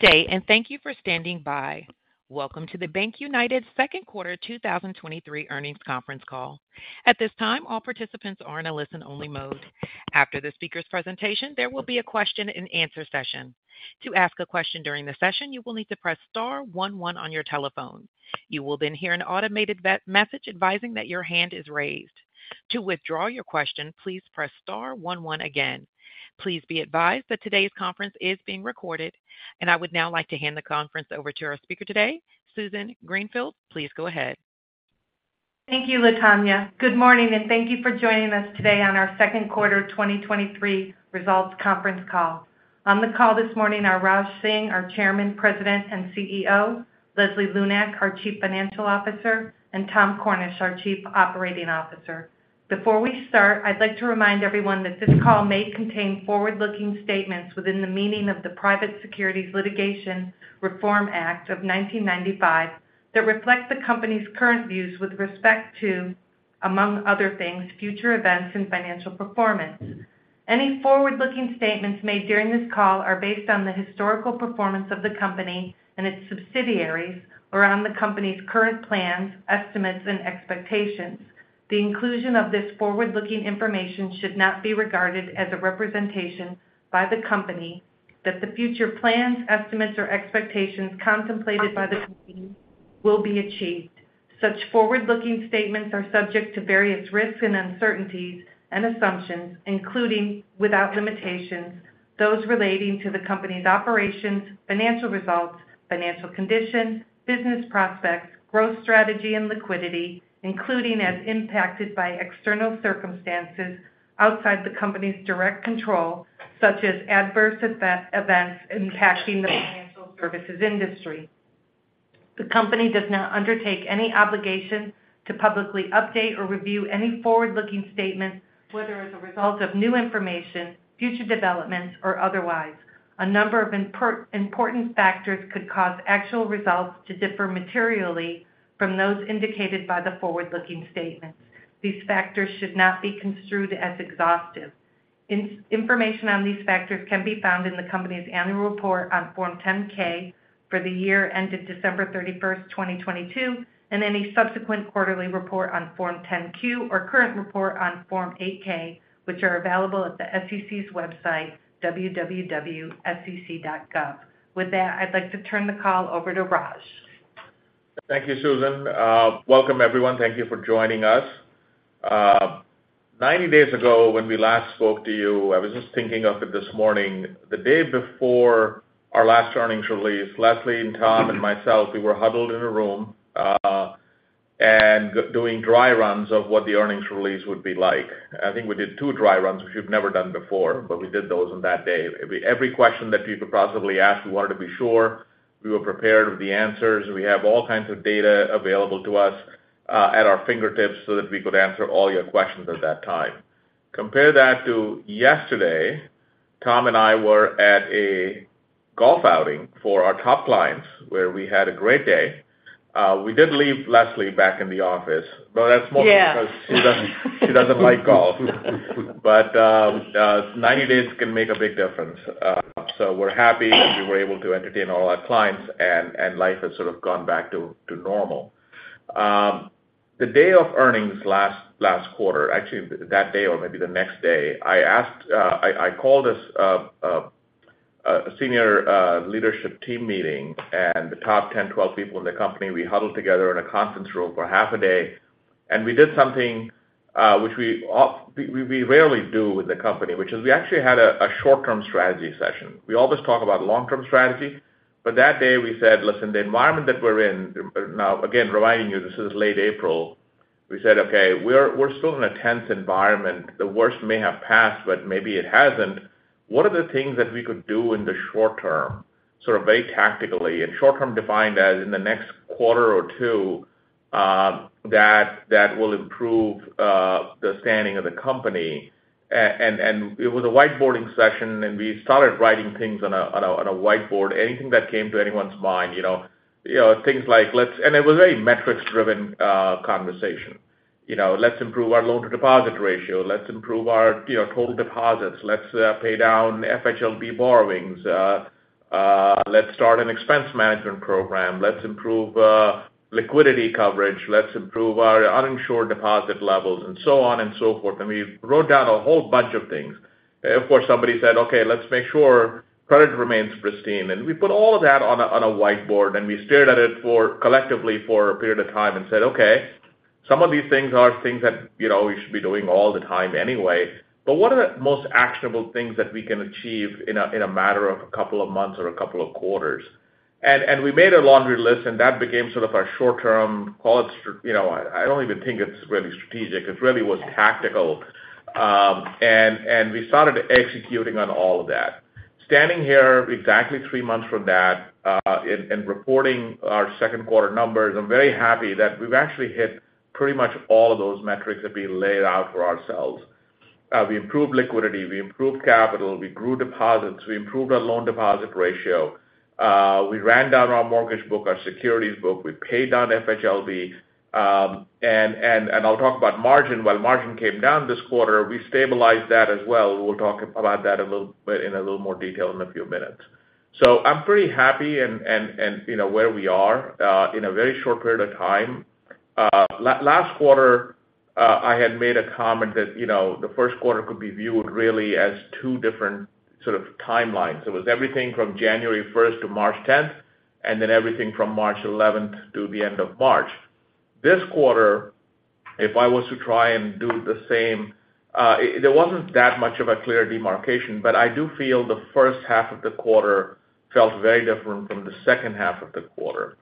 Day. Thank you for standing by. Welcome to the BankUnited Q2 2023 earnings conference call. At this time, all participants are in a listen-only mode. After the speaker's presentation, there will be a question-and-answer session. To ask a question during the session, you will need to press star 11 on your telephone. You will then hear an automated message advising that your hand is raised. To withdraw your question, please press star 11 again. Please be advised that today's conference is being recorded. I would now like to hand the conference over to our speaker today, Susan Greenfield. Please go ahead. Thank you, Latonya. Good morning, and thank you for joining us today on our Q2 2023 results conference call. On the call this morning are Raj Singh, our Chairman, President, and CEO, Leslie Lunak, our Chief Financial Officer, and Tom Cornish, our Chief Operating Officer. Before we start, I'd like to remind everyone that this call may contain forward-looking statements within the meaning of the Private Securities Litigation Reform Act of 1995, that reflect the company's current views with respect to, among other things, future events and financial performance. Any forward-looking statements made during this call are based on the historical performance of the company and its subsidiaries, or on the company's current plans, estimates, and expectations. The inclusion of this forward-looking information should not be regarded as a representation by the company that the future plans, estimates, or expectations contemplated by the company will be achieved. Such forward-looking statements are subject to various risks and uncertainties and assumptions, including, without limitations, those relating to the company's operations, financial results, financial condition, business prospects, growth strategy, and liquidity, including as impacted by external circumstances outside the company's direct control, such as adverse event, events impacting the financial services industry. The company does not undertake any obligation to publicly update or review any forward-looking statements, whether as a result of new information, future developments, or otherwise. A number of important factors could cause actual results to differ materially from those indicated by the forward-looking statements. These factors should not be construed as exhaustive. information on these factors can be found in the company's Annual Report on Form 10-K for the year ended December 31, 2022, and any subsequent quarterly report on Form 10-Q or current report on Form 8-K, which are available at the SEC's website, www.sec.gov. With that, I'd like to turn the call over to Raj. Thank you, Susan. Welcome, everyone. Thank you for joining us. 90 days ago, when we last spoke to you, I was just thinking of it this morning, the day before our last earnings release, Leslie and Tom and myself, we were huddled in a room and doing dry runs of what the earnings release would be like. I think we did two dry runs, which we've never done before, but we did those on that day. Every question that you could possibly ask, we wanted to be sure we were prepared with the answers. We have all kinds of data available to us at our fingertips so that we could answer all your questions at that time. Compare that to yesterday, Tom and I were at a golf outing for our top clients, where we had a great day. We did leave Leslie back in the office, but that's mostly. Yeah. Because she doesn't, she doesn't like golf. 90 days can make a big difference. We're happy we were able to entertain all our clients, and life has sort of gone back to normal. The day of earnings last quarter, actually, that day or maybe the next day, I called a senior leadership team meeting, and the top 10, 12 people in the company, we huddled together in a conference room for half a day, and we did something which we rarely do with the company, which is we actually had a short-term strategy session. We always talk about long-term strategy. That day we said: Listen, the environment that we're in, now, again, reminding you, this is late April. We said, "Okay, we're still in a tense environment. The worst may have passed, but maybe it hasn't. What are the things that we could do in the short term, sort of very tactically, and short term defined as in the next quarter or two, that will improve the standing of the company?" It was a whiteboarding session, and we started writing things on a whiteboard, anything that came to anyone's mind, you know. You know, things like it was a very metrics-driven conversation. You know, let's improve our loan-to-deposit ratio. Let's improve our, you know, total deposits. Let's pay down FHLB borrowings. Let's start an expense management program. Let's improve liquidity coverage. Let's improve our uninsured deposit levels and so on and so forth. We wrote down a whole bunch of things. Of course, somebody said, "Okay, let's make sure credit remains pristine." We put all of that on a whiteboard, and we stared at it for collectively for a period of time and said: Okay, some of these things are things that, you know, we should be doing all the time anyway, but what are the most actionable things that we can achieve in a matter of a couple of months or a couple of quarters? We made a laundry list, and that became sort of our short-term call it, you know, I don't even think it's really strategic. It really was tactical. We started executing on all of that. Standing here exactly three months from that, and reporting our Q2 numbers, I'm very happy that we've actually hit pretty much all of those metrics that we laid out for ourselves. We improved liquidity. We improved capital. We grew deposits. We improved our loan deposit ratio. We ran down our mortgage book, our securities book. We paid down FHLB. I'll talk about margin. While margin came down this quarter, we stabilized that as well. We'll talk about that a little bit, in a little more detail in a few minutes. I'm pretty happy and, you know, where we are in a very short period of time. Last quarter, I had made a comment that, you know, the Q1 could be viewed really as two different sort of timelines. It was everything from January first to March 10th, and then everything from March 11th to the end of March. This quarter, if I was to try and do the same, there wasn't that much of a clear demarcation, but I do feel the first half of the quarter felt very different from the second half of the quarter.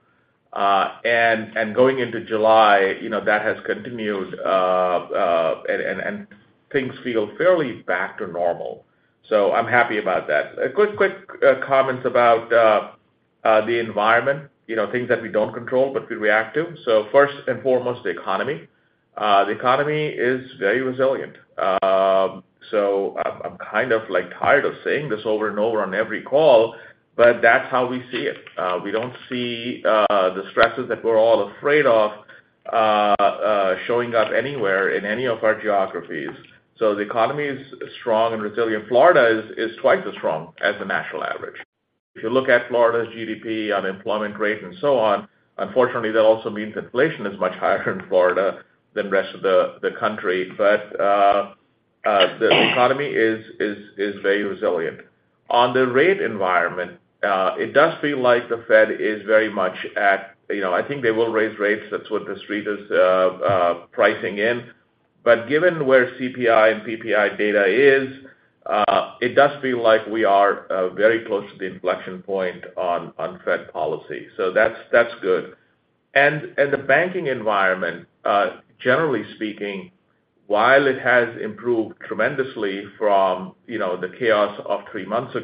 Going into July, you know, that has continued, and things feel fairly back to normal. I'm happy about that. A quick comments about the environment, you know, things that we don't control, but we react to. First and foremost, the economy. The economy is very resilient. I'm kind of, like, tired of saying this over and over on every call, but that's how we see it. We don't see the stresses that we're all afraid of showing up anywhere in any of our geographies. The economy is strong and resilient. Florida is twice as strong as the national average. If you look at Florida's GDP, unemployment rate, and so on, unfortunately, that also means inflation is much higher in Florida than the rest of the country. The economy is very resilient. On the rate environment, it does feel like the Fed is very much at... You know, I think they will raise rates. That's what the street is pricing in. Given where CPI and PPI data is, it does feel like we are very close to the inflection point on Fed policy. That's good. The banking environment, generally speaking, while it has improved tremendously from, you know, the chaos of three months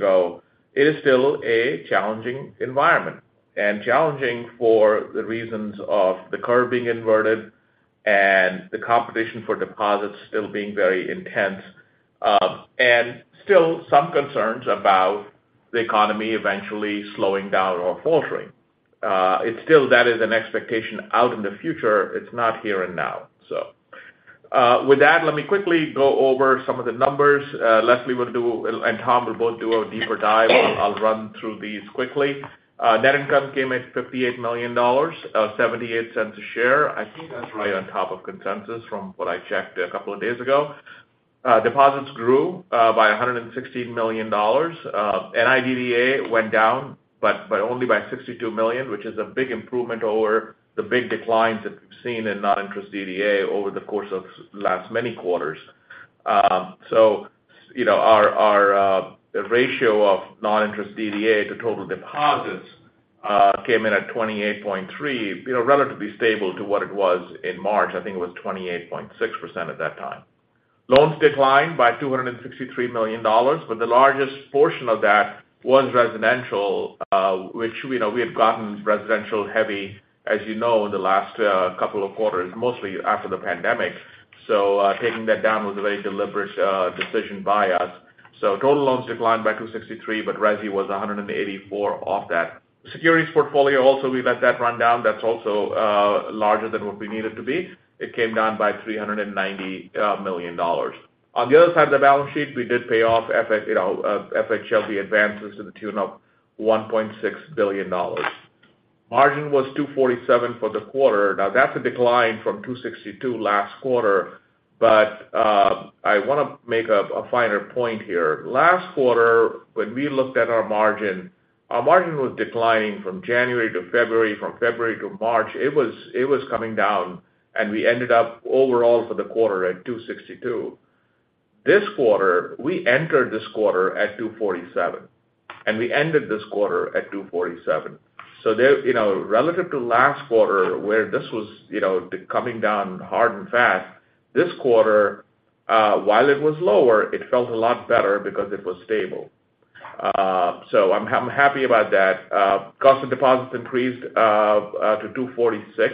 ago, it is still a challenging environment. Challenging for the reasons of the curve being inverted and the competition for deposits still being very intense, and still some concerns about the economy eventually slowing down or faltering. It's still, that is an expectation out in the future. It's not here and now. With that, let me quickly go over some of the numbers. Leslie will do and Tom will both do a deeper dive. I'll run through these quickly. Net income came at $58 million, $0.78 a share. I think that's right on top of consensus from what I checked a couple of days ago. Deposits grew by $116 million. NIDDA went down, but only by $62 million, which is a big improvement over the big declines that we've seen in non-interest DDA over the course of last many quarters. You know, our, the ratio of non-interest DDA to total deposits came in at 28.3, you know, relatively stable to what it was in March. I think it was 28.6% at that time. Loans declined by $263 million, but the largest portion of that was residential, which, you know, we had gotten residential heavy, as you know, in the last couple of quarters, mostly after the pandemic. Taking that down was a very deliberate decision by us. Total loans declined by $263 million, but resi was $184 million off that. Securities portfolio, also, we let that run down. That's also, larger than what we need it to be. It came down by $390 million. On the other side of the balance sheet, we did pay off you know, FHLB advances to the tune of $1.6 billion. Margin was 2.47 for the quarter. That's a decline from 2.62 last quarter, but I want to make a finer point here. Last quarter, when we looked at our margin, our margin was declining from January to February, from February to March. It was coming down, we ended up overall for the quarter at 2.62. This quarter, we entered this quarter at 2.47, we ended this quarter at 2.47. There, you know, relative to last quarter, where this was, you know, coming down hard and fast, this quarter, while it was lower, it felt a lot better because it was stable. I'm happy about that. Cost of deposits increased to 2.46%.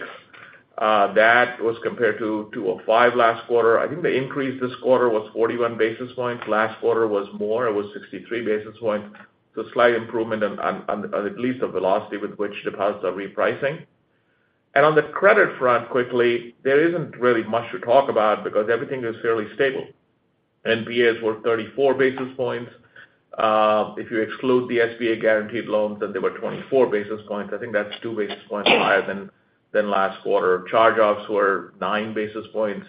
That was compared to 2.05% last quarter. The increase this quarter was 41 basis points. Last quarter was more, it was 63 basis points. Slight improvement on at least the velocity with which deposits are repricing. On the credit front, quickly, there isn't really much to talk about because everything is fairly stable. NPAs were 34 basis points. If you exclude the SBA guaranteed loans, then they were 24 basis points. That's 2 basis points higher than last quarter. Charge-offs were 9 basis points,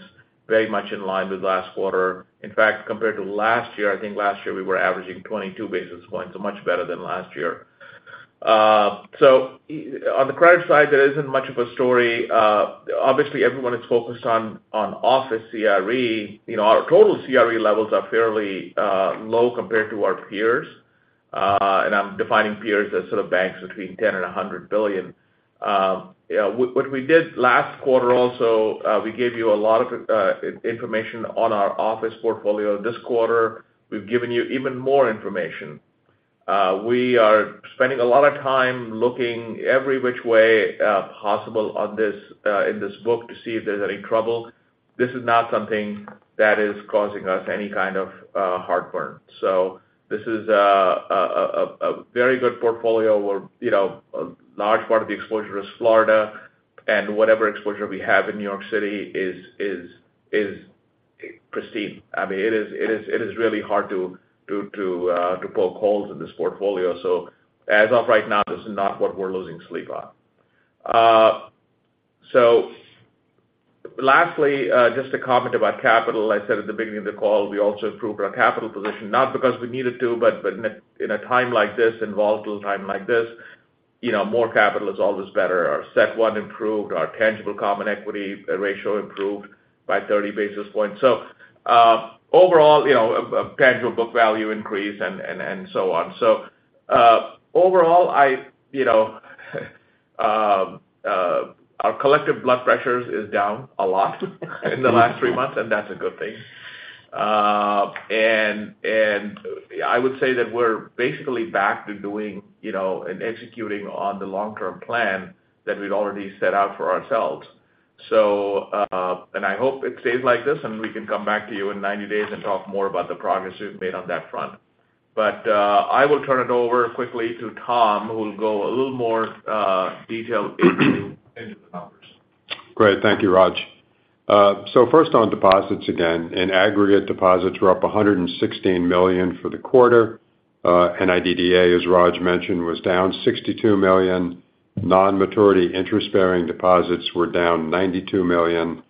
very much in line with last quarter. In fact, compared to last year, I think last year we were averaging 22 basis points, so much better than last year. On the credit side, there isn't much of a story. Obviously, everyone is focused on office CRE. You know, our total CRE levels are fairly low compared to our peers, and I'm defining peers as sort of banks between 10 and 100 billion. Yeah, what we did last quarter also, we gave you a lot of information on our office portfolio. This quarter, we've given you even more information. We are spending a lot of time looking every which way possible on this in this book to see if there's any trouble. This is not something that is causing us any kind of heartburn. This is a very good portfolio where, you know, a large part of the exposure is Florida, and whatever exposure we have in New York City is pristine. I mean, it is really hard to poke holes in this portfolio. As of right now, this is not what we're losing sleep on. Lastly, just to comment about capital. I said at the beginning of the call, we also improved our capital position, not because we needed to, but in a time like this, and volatile time like this, you know, more capital is always better. Our CET 1 improved, our tangible common equity ratio improved by 30 basis points. Overall, you know, a tangible book value increase and so on. Overall, I, you know, our collective blood pressures is down a lot in the last three months, and that's a good thing. I would say that we're basically back to doing, you know, and executing on the long-term plan that we'd already set out for ourselves. I hope it stays like this, and we can come back to you in 90 days and talk more about the progress we've made on that front. I will turn it over quickly to Tom, who will go a little more detailed into the numbers. Great. Thank you, Raj. First on deposits again. In aggregate, deposits were up $116 million for the quarter. NIDDA, as Raj mentioned, was down $62 million. Non-maturity, interest-bearing deposits were down $92 million,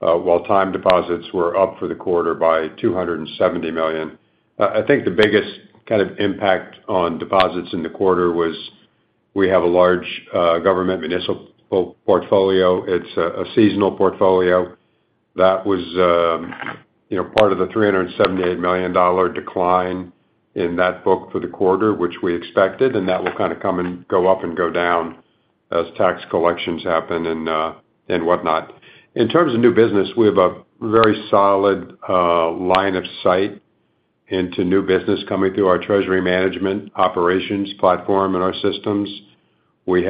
while time deposits were up for the quarter by $270 million. I think the biggest kind of impact on deposits in the quarter was we have a large government municipal portfolio. It's a seasonal portfolio that was, you know, part of the $378 million decline in that book for the quarter, which we expected, and that will kind of come and go up and go down as tax collections happen and whatnot. In terms of new business, we have a very solid line of sight into new business coming through our treasury management operations platform and our systems. We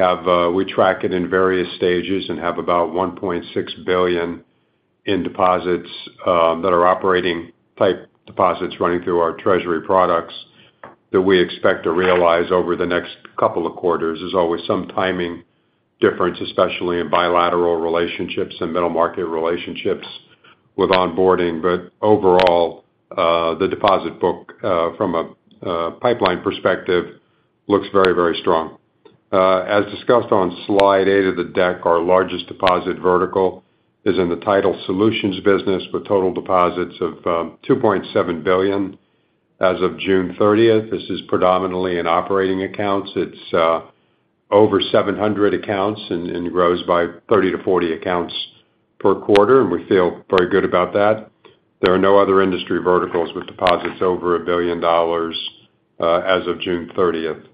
track it in various stages and have about $1.6 billion in deposits that are operating type deposits running through our treasury products that we expect to realize over the next couple of quarters. There's always some timing difference, especially in bilateral relationships and middle market relationships with onboarding. Overall, the deposit book, from a pipeline perspective, looks very, very strong. As discussed on slide eight of the deck, our largest deposit vertical is in the title solutions business, with total deposits of $2.7 billion as of June 30th. This is predominantly in operating accounts. It's over 700 accounts and grows by 30-40 accounts per quarter, and we feel very good about that. There are no other industry verticals with deposits over $1 billion as of June 30th.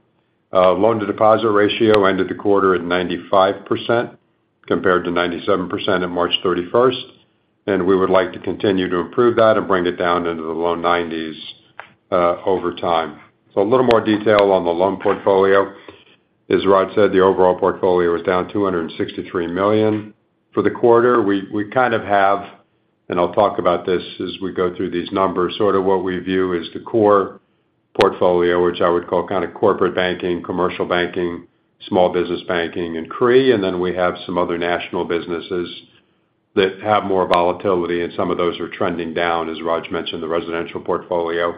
Loan-to-deposit ratio ended the quarter at 95%, compared to 97% on March 31st, and we would like to continue to improve that and bring it down into the low 90s over time. A little more detail on the loan portfolio. As Raj said, the overall portfolio was down $263 million for the quarter. We, we kind of have, and I'll talk about this as we go through these numbers, sort of what we view as the core portfolio, which I would call kind of corporate banking, commercial banking, small business banking, and CRE. Then we have some other national businesses that have more volatility, and some of those are trending down. As Raj mentioned, the residential portfolio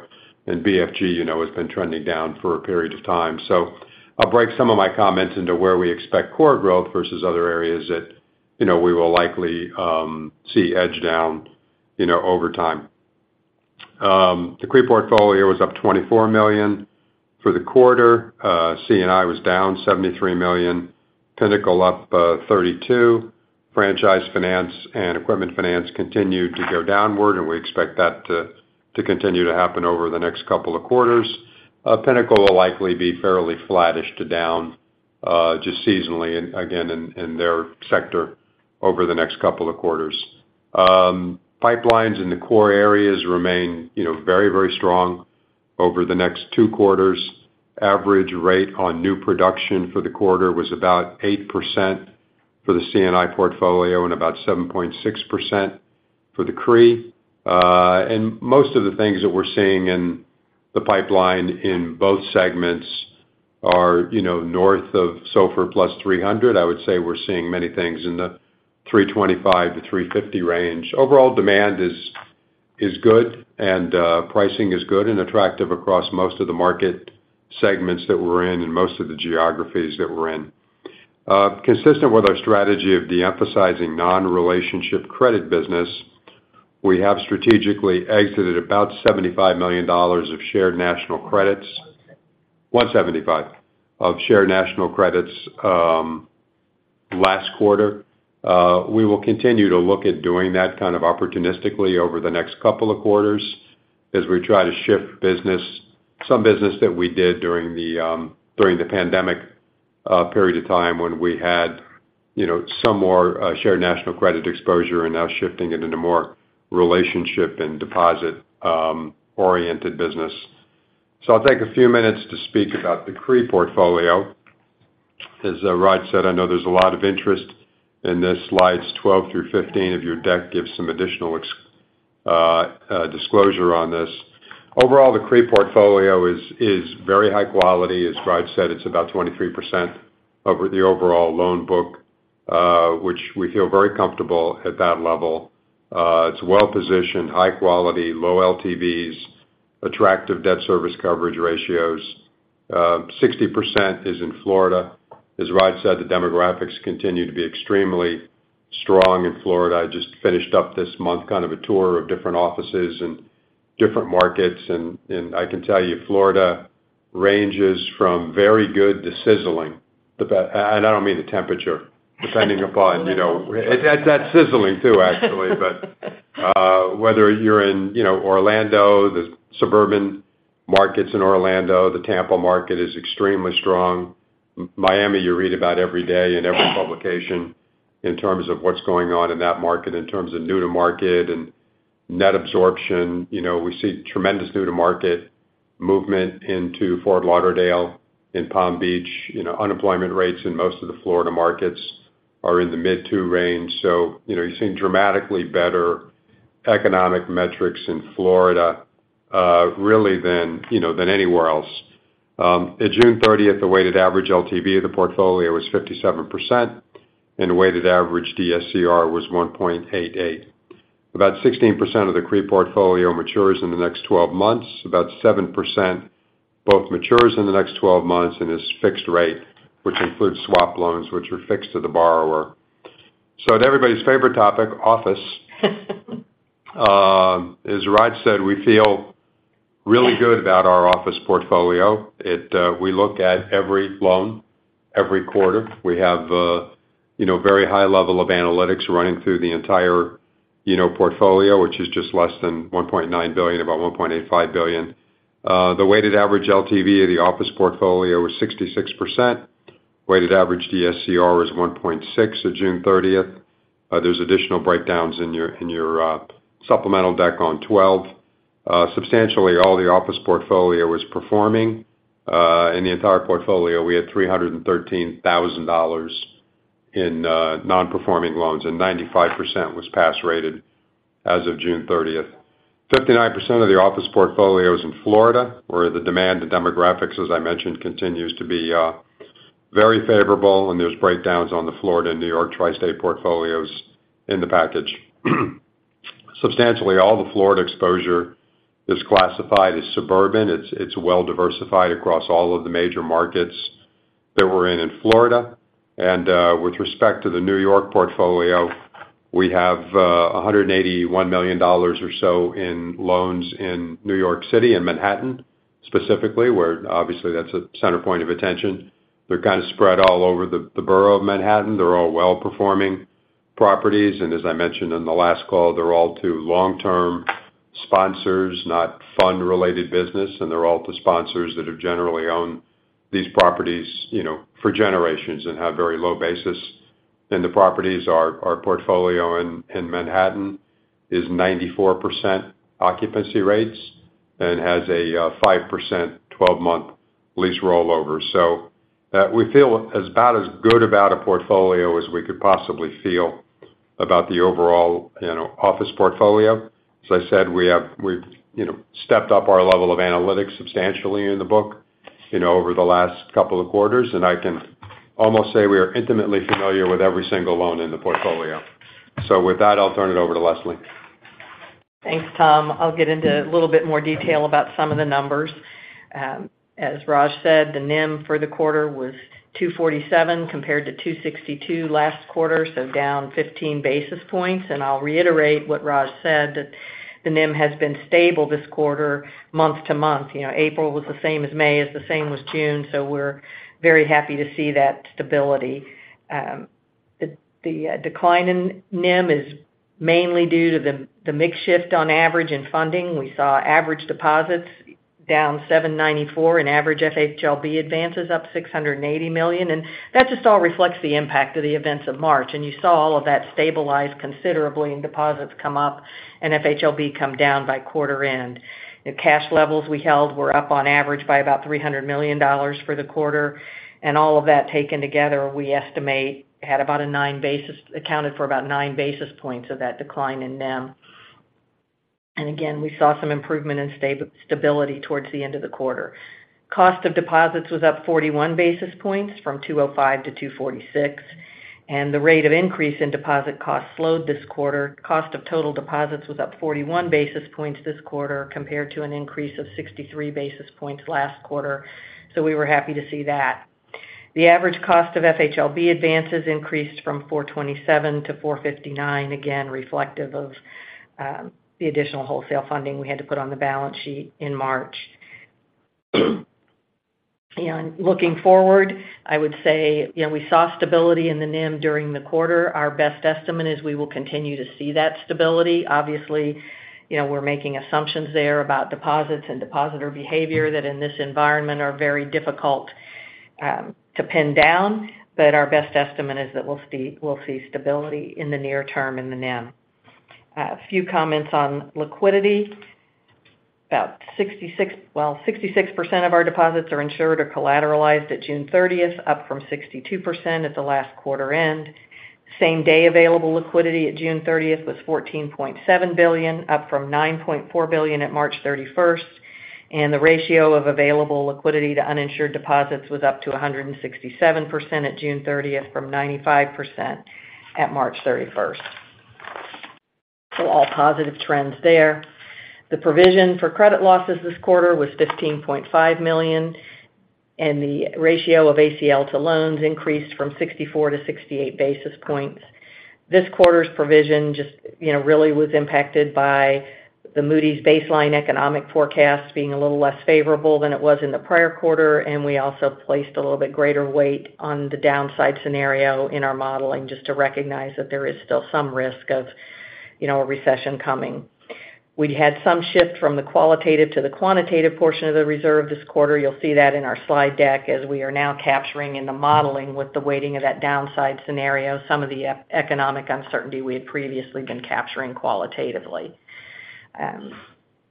and BFG, you know, has been trending down for a period of time. I'll break some of my comments into where we expect core growth versus other areas that, you know, we will likely see edge down, you know, over time. The CRE portfolio was up $24 million for the quarter. C&I was down $73 million. Pinnacle up $32 million. Franchise finance and equipment finance continued to go downward, and we expect that to continue to happen over the next couple of quarters. Pinnacle will likely be fairly flattish to down, just seasonally and again, in their sector over the next couple of quarters. Pipelines in the core areas remain, you know, very, very strong over the next Q2. Average rate on new production for the quarter was about 8% for the C&I portfolio and about 7.6% for the CRE. Most of the things that we're seeing in the pipeline in both segments are, you know, north of SOFR plus 300. I would say we're seeing many things in the 325-350 range. Overall demand is good, pricing is good and attractive across most of the market segments that we're in and most of the geographies that we're in. Consistent with our strategy of de-emphasizing non-relationship credit business, we have strategically exited about $75 million of shared national credits- $175 of shared national credits last quarter. We will continue to look at doing that kind of opportunistically over the next couple of quarters as we try to shift some business that we did during the during the pandemic period of time when we had, you know, some more shared national credit exposure and now shifting it into more relationship and deposit oriented business. I'll take a few minutes to speak about the CRE portfolio. As Raj said, I know there's a lot of interest in this. Slides 12 through 15 of your deck give some additional disclosure on this. Overall, the CRE portfolio is very high quality. As Raj said, it's about 23% of the overall loan book, which we feel very comfortable at that level. It's well-positioned, high quality, low LTVs, attractive debt service coverage ratios. 60% is in Florida. As Raj said, the demographics continue to be extremely strong in Florida. I just finished up this month, kind of a tour of different offices and different markets, and I can tell you, Florida ranges from very good to sizzling. I don't mean the temperature, depending upon, you know. It, that's sizzling, too, actually. Whether you're in, you know, Orlando, the suburban markets in Orlando, the Tampa market is extremely strong. Miami, you read about every day in every publication, in terms of what's going on in that market, in terms of new to market and net absorption. You know, we see tremendous new to market movement into Fort Lauderdale, in Palm Beach. You know, unemployment rates in most of the Florida markets are in the mid 2 range. You know, you're seeing dramatically better economic metrics in Florida, really than, you know, than anywhere else. At June 30th, the weighted average LTV of the portfolio was 57%, and the weighted average DSCR was 1.88. About 16% of the CRE portfolio matures in the next 12 months. About 7% both matures in the next 12 months and is fixed rate, which includes swap loans, which are fixed to the borrower. At everybody's favorite topic, office. As Raj said, we feel really good about our office portfolio. We look at every loan, every quarter. We have a, you know, very high level of analytics running through the entire, you know, portfolio, which is just less than $1.9 billion, about $1.85 billion. The weighted average LTV of the office portfolio was 66%. Weighted average DSCR was 1.6 at June 30th. There's additional breakdowns in your, in your, supplemental deck on 12. Substantially, all the office portfolio was performing. In the entire portfolio, we had $313,000 in non-performing loans, and 95% was pass rated as of June 30th. 59% of the office portfolio is in Florida, where the demand, the demographics, as I mentioned, continues to be very favorable, and there's breakdowns on the Florida and New York Tri-State portfolios in the package. Substantially, all the Florida exposure is classified as suburban. It's well diversified across all of the major markets that we're in Florida. With respect to the New York portfolio, we have $181 million or so in loans in New York City and Manhattan, specifically, where obviously that's a center point of attention. They're kind of spread all over the borough of Manhattan. They're all well-performing properties, and as I mentioned in the last call, they're all to long-term sponsors, not fund-related business, and they're all to sponsors that have generally owned these properties, you know, for generations and have very low basis. The properties, our portfolio in Manhattan is 94% occupancy rates and has a 5%, 12-month lease rollover. We feel about as good about a portfolio as we could possibly feel about the overall, you know, office portfolio. As I said, we've, you know, stepped up our level of analytics substantially in the book, you know, over the last couple of quarters. I can almost say we are intimately familiar with every single loan in the portfolio. With that, I'll turn it over to Leslie. Thanks, Tom. I'll get into a little bit more detail about some of the numbers. As Raj said, the NIM for the quarter was 2.47%, compared to 2.62% last quarter, so down 15 basis points. I'll reiterate what Raj said, that the NIM has been stable this quarter, month-to-month. You know, April was the same as May, is the same as June, so we're very happy to see that stability. The decline in NIM is mainly due to the mix shift on average in funding. We saw average deposits down $794 million and average FHLB advances up $680 million. That just all reflects the impact of the events of March. You saw all of that stabilize considerably, and deposits come up and FHLB come down by quarter end. The cash levels we held were up on average by about $300 million for the quarter, and all of that taken together, we estimate, accounted for about 9 basis points of that decline in NIM. Again, we saw some improvement and stability towards the end of the quarter. Cost of deposits was up 41 basis points, from 2.05 to 2.46, and the rate of increase in deposit costs slowed this quarter. Cost of total deposits was up 41 basis points this quarter, compared to an increase of 63 basis points last quarter, so we were happy to see that. The average cost of FHLB advances increased from 4.27 to 4.59, again, reflective of the additional wholesale funding we had to put on the balance sheet in March. Looking forward, I would say, you know, we saw stability in the NIM during the quarter. Our best estimate is we will continue to see that stability. Obviously, you know, we're making assumptions there about deposits and depositor behavior, that in this environment, are very difficult to pin down. Our best estimate is that we'll see stability in the near term in the NIM. A few comments on liquidity. About 66% of our deposits are insured or collateralized at June 30th, up from 62% at the last quarter end. Same day, available liquidity at June 30th was $14.7 billion, up from $9.4 billion at March 31st. The ratio of available liquidity to uninsured deposits was up to 167% at June 30th, from 95% at March 31st. All positive trends there. The provision for credit losses this quarter was $15.5 million. The ratio of ACL to loans increased from 64 to 68 basis points. This quarter's provision just, you know, really was impacted by the Moody's baseline economic forecast being a little less favorable than it was in the prior quarter, and we also placed a little bit greater weight on the downside scenario in our modeling, just to recognize that there is still some risk of, you know, a recession coming. We'd had some shift from the qualitative to the quantitative portion of the reserve this quarter. You'll see that in our slide deck, as we are now capturing in the modeling, with the weighting of that downside scenario, some of the economic uncertainty we had previously been capturing qualitatively.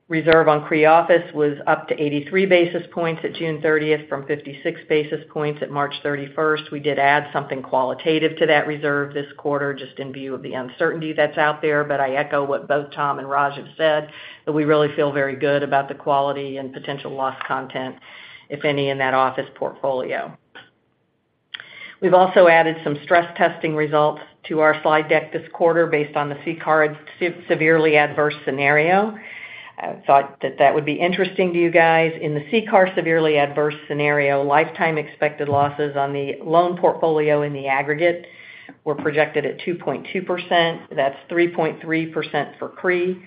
Reserve on CRE Office was up to 83 basis points at June 30th from 56 basis points at March 31st. We did add something qualitative to that reserve this quarter, just in view of the uncertainty that's out there. I echo what both Tom Cornish and Raj Singh have said, that we really feel very good about the quality and potential loss content, if any, in that office portfolio. We've also added some stress testing results to our slide deck this quarter based on the CCAR severely adverse scenario. I thought that that would be interesting to you guys. In the CCAR severely adverse scenario, lifetime expected losses on the loan portfolio in the aggregate were projected at 2.2%. That's 3.3% for CRE,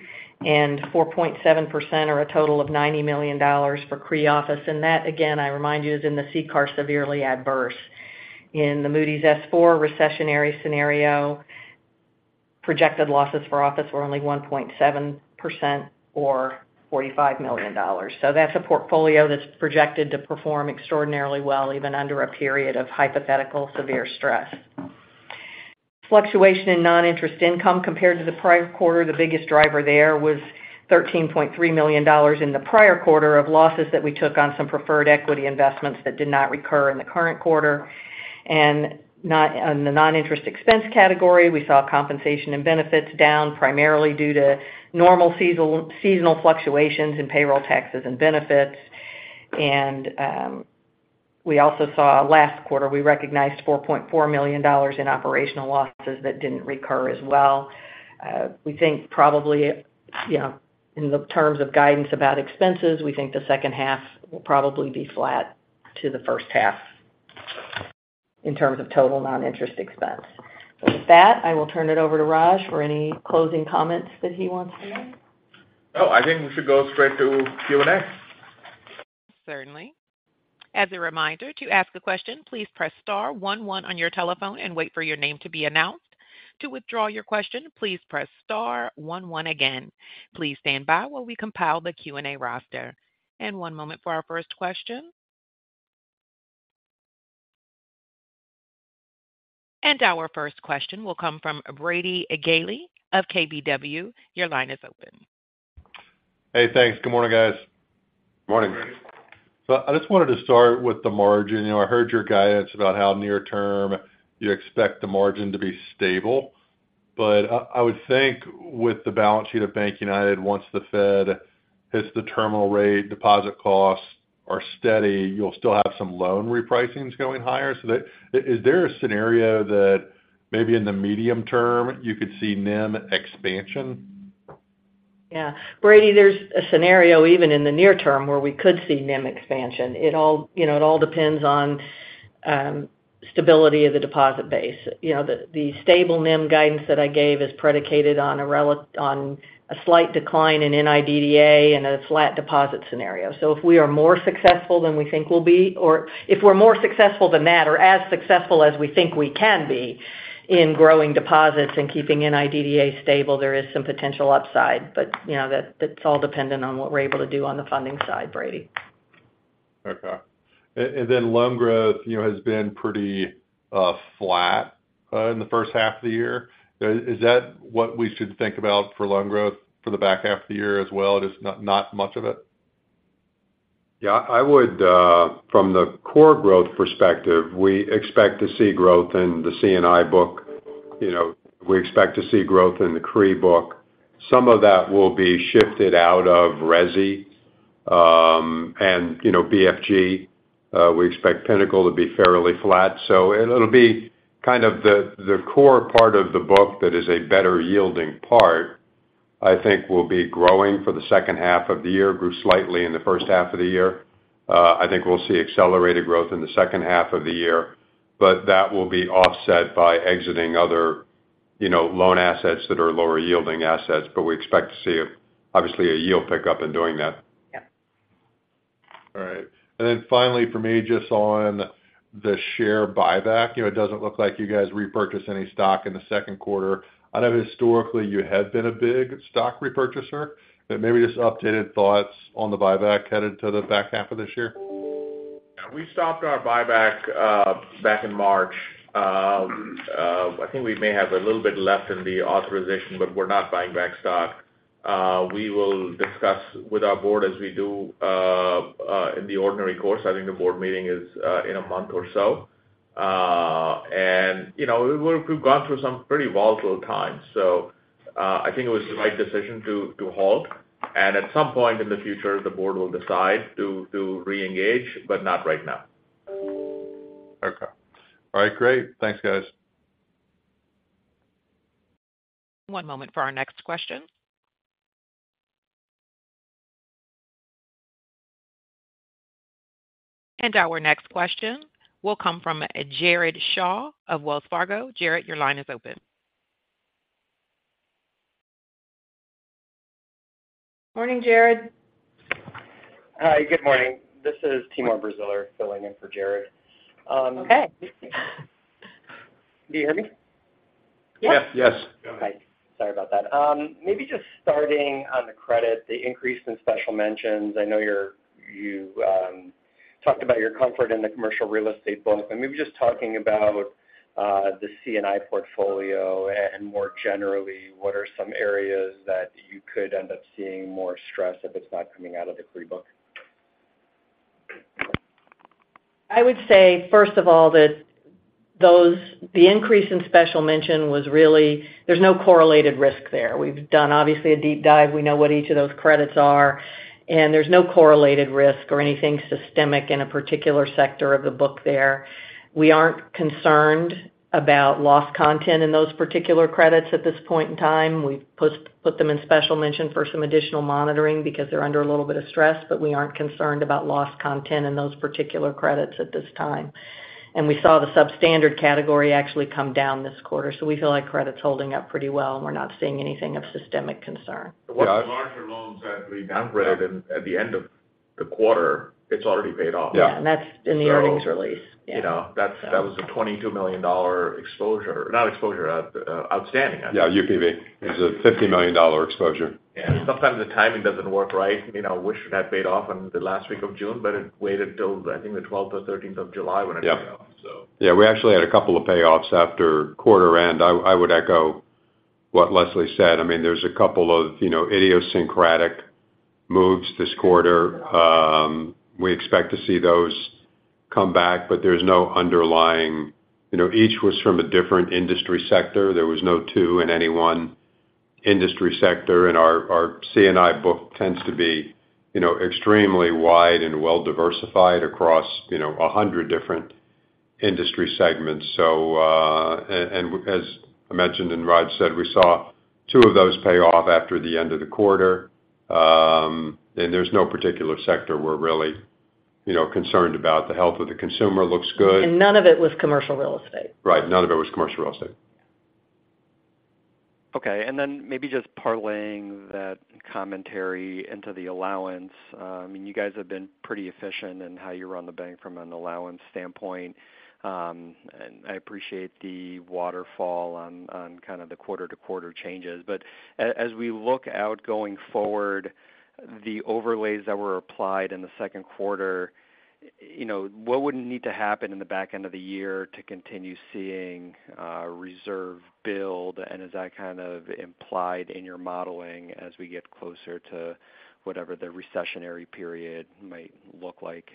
and 4.7% or a total of $90 million for CRE Office. That, again, I remind you, is in the CCAR severely adverse. In the Moody's S4 recessionary scenario, projected losses for office were only 1.7% or $45 million. That's a portfolio that's projected to perform extraordinarily well, even under a period of hypothetical severe stress. Fluctuation in non-interest income compared to the prior quarter, the biggest driver there was $13.3 million in the prior quarter of losses that we took on some preferred equity investments that did not recur in the current quarter. On the non-interest expense category, we saw compensation and benefits down, primarily due to normal seasonal fluctuations in payroll taxes and benefits. We also saw last quarter, we recognized $4.4 million in operational losses that didn't recur as well. We think probably, you know, in the terms of guidance about expenses, we think the second half will probably be flat to the first half in terms of total non-interest expense. With that, I will turn it over to Raj for any closing comments that he wants to make. Oh, I think we should go straight to Q&A. Certainly. As a reminder, to ask a question, please press star one one on your telephone and wait for your name to be announced. To withdraw your question, please press star one one again. Please stand by while we compile the Q&A roster. One moment for our first question. Our first question will come from Brady Gailey of KBW. Your line is open. Hey, thanks. Good morning, guys. Morning. I just wanted to start with the margin. You know, I heard your guidance about how near term you expect the margin to be stable. I would think with the balance sheet of BankUnited, once the Fed hits the terminal rate, deposit costs are steady, you'll still have some loan repricings going higher. That, is there a scenario that maybe in the medium term, you could see NIM expansion? Yeah. Brady, there's a scenario, even in the near term, where we could see NIM expansion. You know, it all depends on stability of the deposit base. You know, the stable NIM guidance that I gave is predicated on a slight decline in NIDDA and a flat deposit scenario. If we are more successful than we think we'll be, or if we're more successful than that, or as successful as we think we can be in growing deposits and keeping NIDDA stable, there is some potential upside. You know, that's all dependent on what we're able to do on the funding side, Brady. Okay. Then loan growth, you know, has been pretty flat in the first half of the year. Is that what we should think about for loan growth for the back half of the year as well, just not much of it? I would from the core growth perspective, we expect to see growth in the C&I book. You know, we expect to see growth in the CRE book. Some of that will be shifted out of resi, and, you know, BFG. We expect Pinnacle to be fairly flat. It'll be kind of the core part of the book that is a better yielding part, I think will be growing for the second half of the year, grew slightly in the first half of the year. I think we'll see accelerated growth in the second half of the year, but that will be offset by exiting other, you know, loan assets that are lower-yielding assets. We expect to see, obviously, a yield pickup in doing that. Yep. All right. Finally for me, just on the share buyback. You know, it doesn't look like you guys repurchased any stock in the Q2. I know historically, you had been a big stock repurchaser, maybe just updated thoughts on the buyback headed to the back half of this year? We stopped our buyback, back in March. I think we may have a little bit left in the authorization. We're not buying back stock. We will discuss with our board, as we do. in the ordinary course. I think the board meeting is in a month or so. You know, we've gone through some pretty volatile times, so I think it was the right decision to halt. At some point in the future, the board will decide to reengage, but not right now. Okay. All right, great. Thanks, guys. One moment for our next question. Our next question will come from Jared Shaw of Wells Fargo. Jared, your line is open. Morning, Jared. Hi, good morning. This is Timur Braziler, filling in for Jared. Okay. Do you hear me? Yes. Yes, yes. Go ahead. Hi. Sorry about that. Maybe just starting on the credit, the increase in special mentions. I know you talked about your comfort in the commercial real estate book, maybe just talking about the C&I portfolio and more generally, what are some areas that you could end up seeing more stress if it's not coming out of the CRE book? I would say, first of all, that the increase in special mention was. There's no correlated risk there. We've done, obviously, a deep dive. We know what each of those credits are, and there's no correlated risk or anything systemic in a particular sector of the book there. We aren't concerned about loss content in those particular credits at this point in time. We've put them in special mention for some additional monitoring because they're under a little bit of stress, but we aren't concerned about loss content in those particular credits at this time. We saw the substandard category actually come down this quarter. We feel like credit's holding up pretty well, and we're not seeing anything of systemic concern. Yeah, the larger loans that we downgraded at the end of the quarter, it's already paid off. Yeah. Yeah, that's in the earnings release. Yeah. You know. So. That was a $22 million exposure. Not exposure, outstanding. Yeah, UPB. It's a $50 million exposure. Yeah, sometimes the timing doesn't work right. You know, we should have paid off in the last week of June, but it waited till, I think, the 12th or 13th of July when it paid off, so. Yeah, we actually had a couple of payoffs after quarter end. I would echo what Leslie said. I mean, there's a couple of, you know, idiosyncratic moves this quarter. We expect to see those come back, but there's no underlying... You know, each was from a different industry sector. There was no two in any one industry sector, and our C&I book tends to be, you know, extremely wide and well diversified across, you know, 100 different industry segments. And as I mentioned, and Raj said, we saw two of those pay off after the end of the quarter. And there's no particular sector we're really, you know, concerned about. The health of the consumer looks good. None of it was commercial real estate. Right. None of it was commercial real estate. Okay, maybe just parlaying that commentary into the allowance. I mean, you guys have been pretty efficient in how you run the bank from an allowance standpoint. I appreciate the waterfall on kind of the quarter-to-quarter changes. As we look out going forward, the overlays that were applied in the Q2, you know, what would need to happen in the back end of the year to continue seeing, reserve build? Is that kind of implied in your modeling as we get closer to whatever the recessionary period might look like?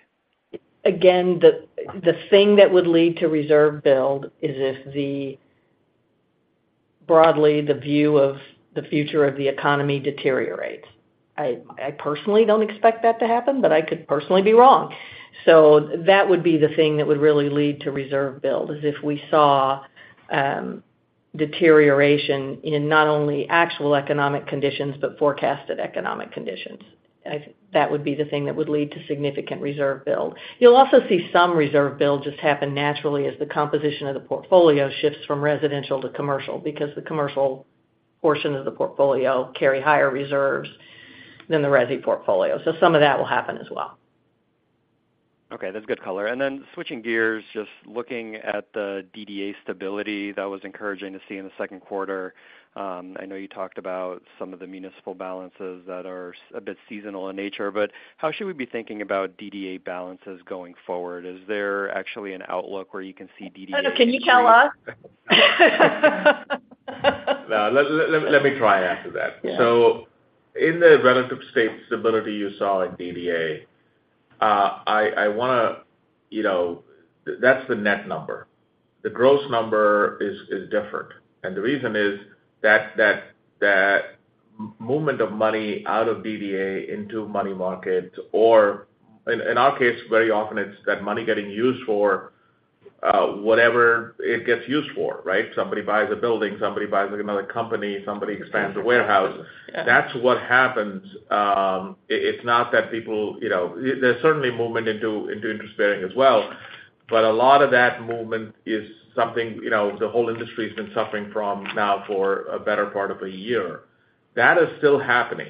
Again, the thing that would lead to reserve build is if the, broadly, the view of the future of the economy deteriorates. I personally don't expect that to happen, but I could personally be wrong. That would be the thing that would really lead to reserve build, is if we saw deterioration in not only actual economic conditions, but forecasted economic conditions. I think that would be the thing that would lead to significant reserve build. You'll also see some reserve build just happen naturally as the composition of the portfolio shifts from residential to commercial, because the commercial portion of the portfolio carry higher reserves than the resi portfolio. Some of that will happen as well. Okay, that's good color. Then switching gears, just looking at the DDA stability, that was encouraging to see in the Q2. I know you talked about some of the municipal balances that are a bit seasonal in nature, how should we be thinking about DDA balances going forward? Is there actually an outlook where you can see DDA-? Can you tell us? No, let me try to answer that. Yeah. In the relative state stability you saw in DDA, I wanna, you know. That's the net number. The gross number is different. The reason is that movement of money out of DDA into money market, or in our case, very often it's that money getting used for whatever it gets used for, right? Somebody buys a building, somebody buys another company, somebody expands a warehouse. Yeah. That's what happens. It's not that people, you know, there's certainly movement into interest bearing as well, but a lot of that movement is something, you know, the whole industry's been suffering from now for a better part of a year. That is still happening,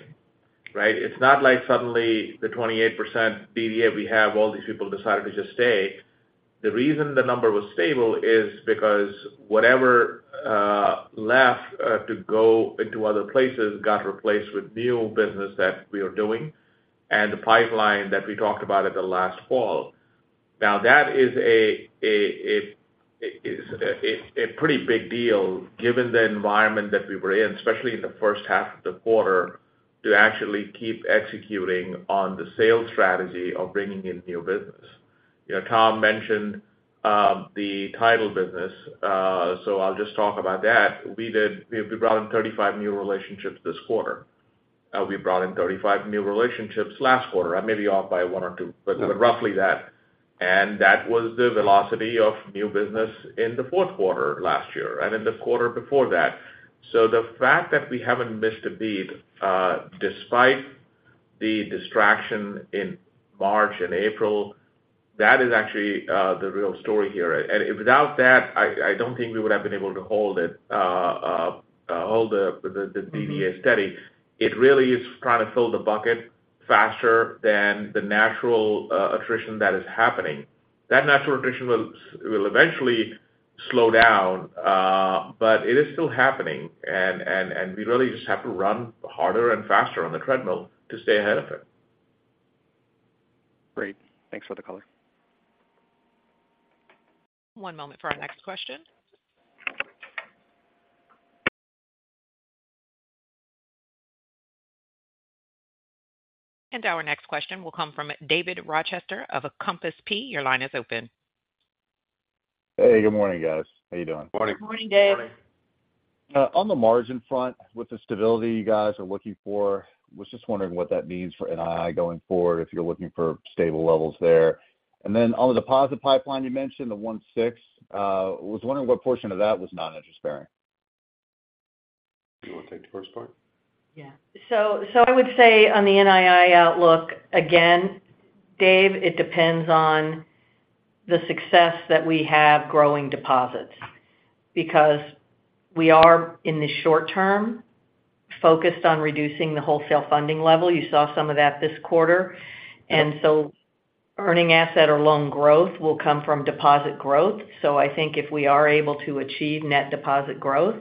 right? It's not like suddenly the 28% DDA we have, all these people decided to just stay. The reason the number was stable is because whatever left to go into other places got replaced with new business that we are doing. The pipeline that we talked about at the last. That is a pretty big deal given the environment that we were in, especially in the first half of the quarter, to actually keep executing on the sales strategy of bringing in new business. You know, Tom mentioned the title business. I'll just talk about that. We brought in 35 new relationships this quarter. We brought in 35 new relationships last quarter. I may be off by 1 or 2, but roughly that. That was the velocity of new business in the Q4 last year and in the quarter before that. The fact that we haven't missed a beat, despite the distraction in March and April, that is actually the real story here. Without that, I don't think we would have been able to hold it, hold the DDA steady. It really is trying to fill the bucket faster than the natural attrition that is happening. That natural attrition will eventually slow down. It is still happening. We really just have to run harder and faster on the treadmill to stay ahead of it. Great. Thanks for the color. One moment for our next question. Our next question will come from David Rochester of Compass Point. Your line is open. Hey, good morning, guys. How you doing? Morning. Good morning, Dave. On the margin front, with the stability you guys are looking for, was just wondering what that means for NII going forward, if you're looking for stable levels there? On the deposit pipeline, you mentioned the $1.6 billion. Was just wondering what portion of that was non-interest-bearing? You want to take the first part? Yeah. So I would say on the NII outlook, again, Dave, it depends on the success that we have growing deposits, because we are, in the short term, focused on reducing the wholesale funding level. You saw some of that this quarter. Earning asset or loan growth will come from deposit growth. I think if we are able to achieve net deposit growth,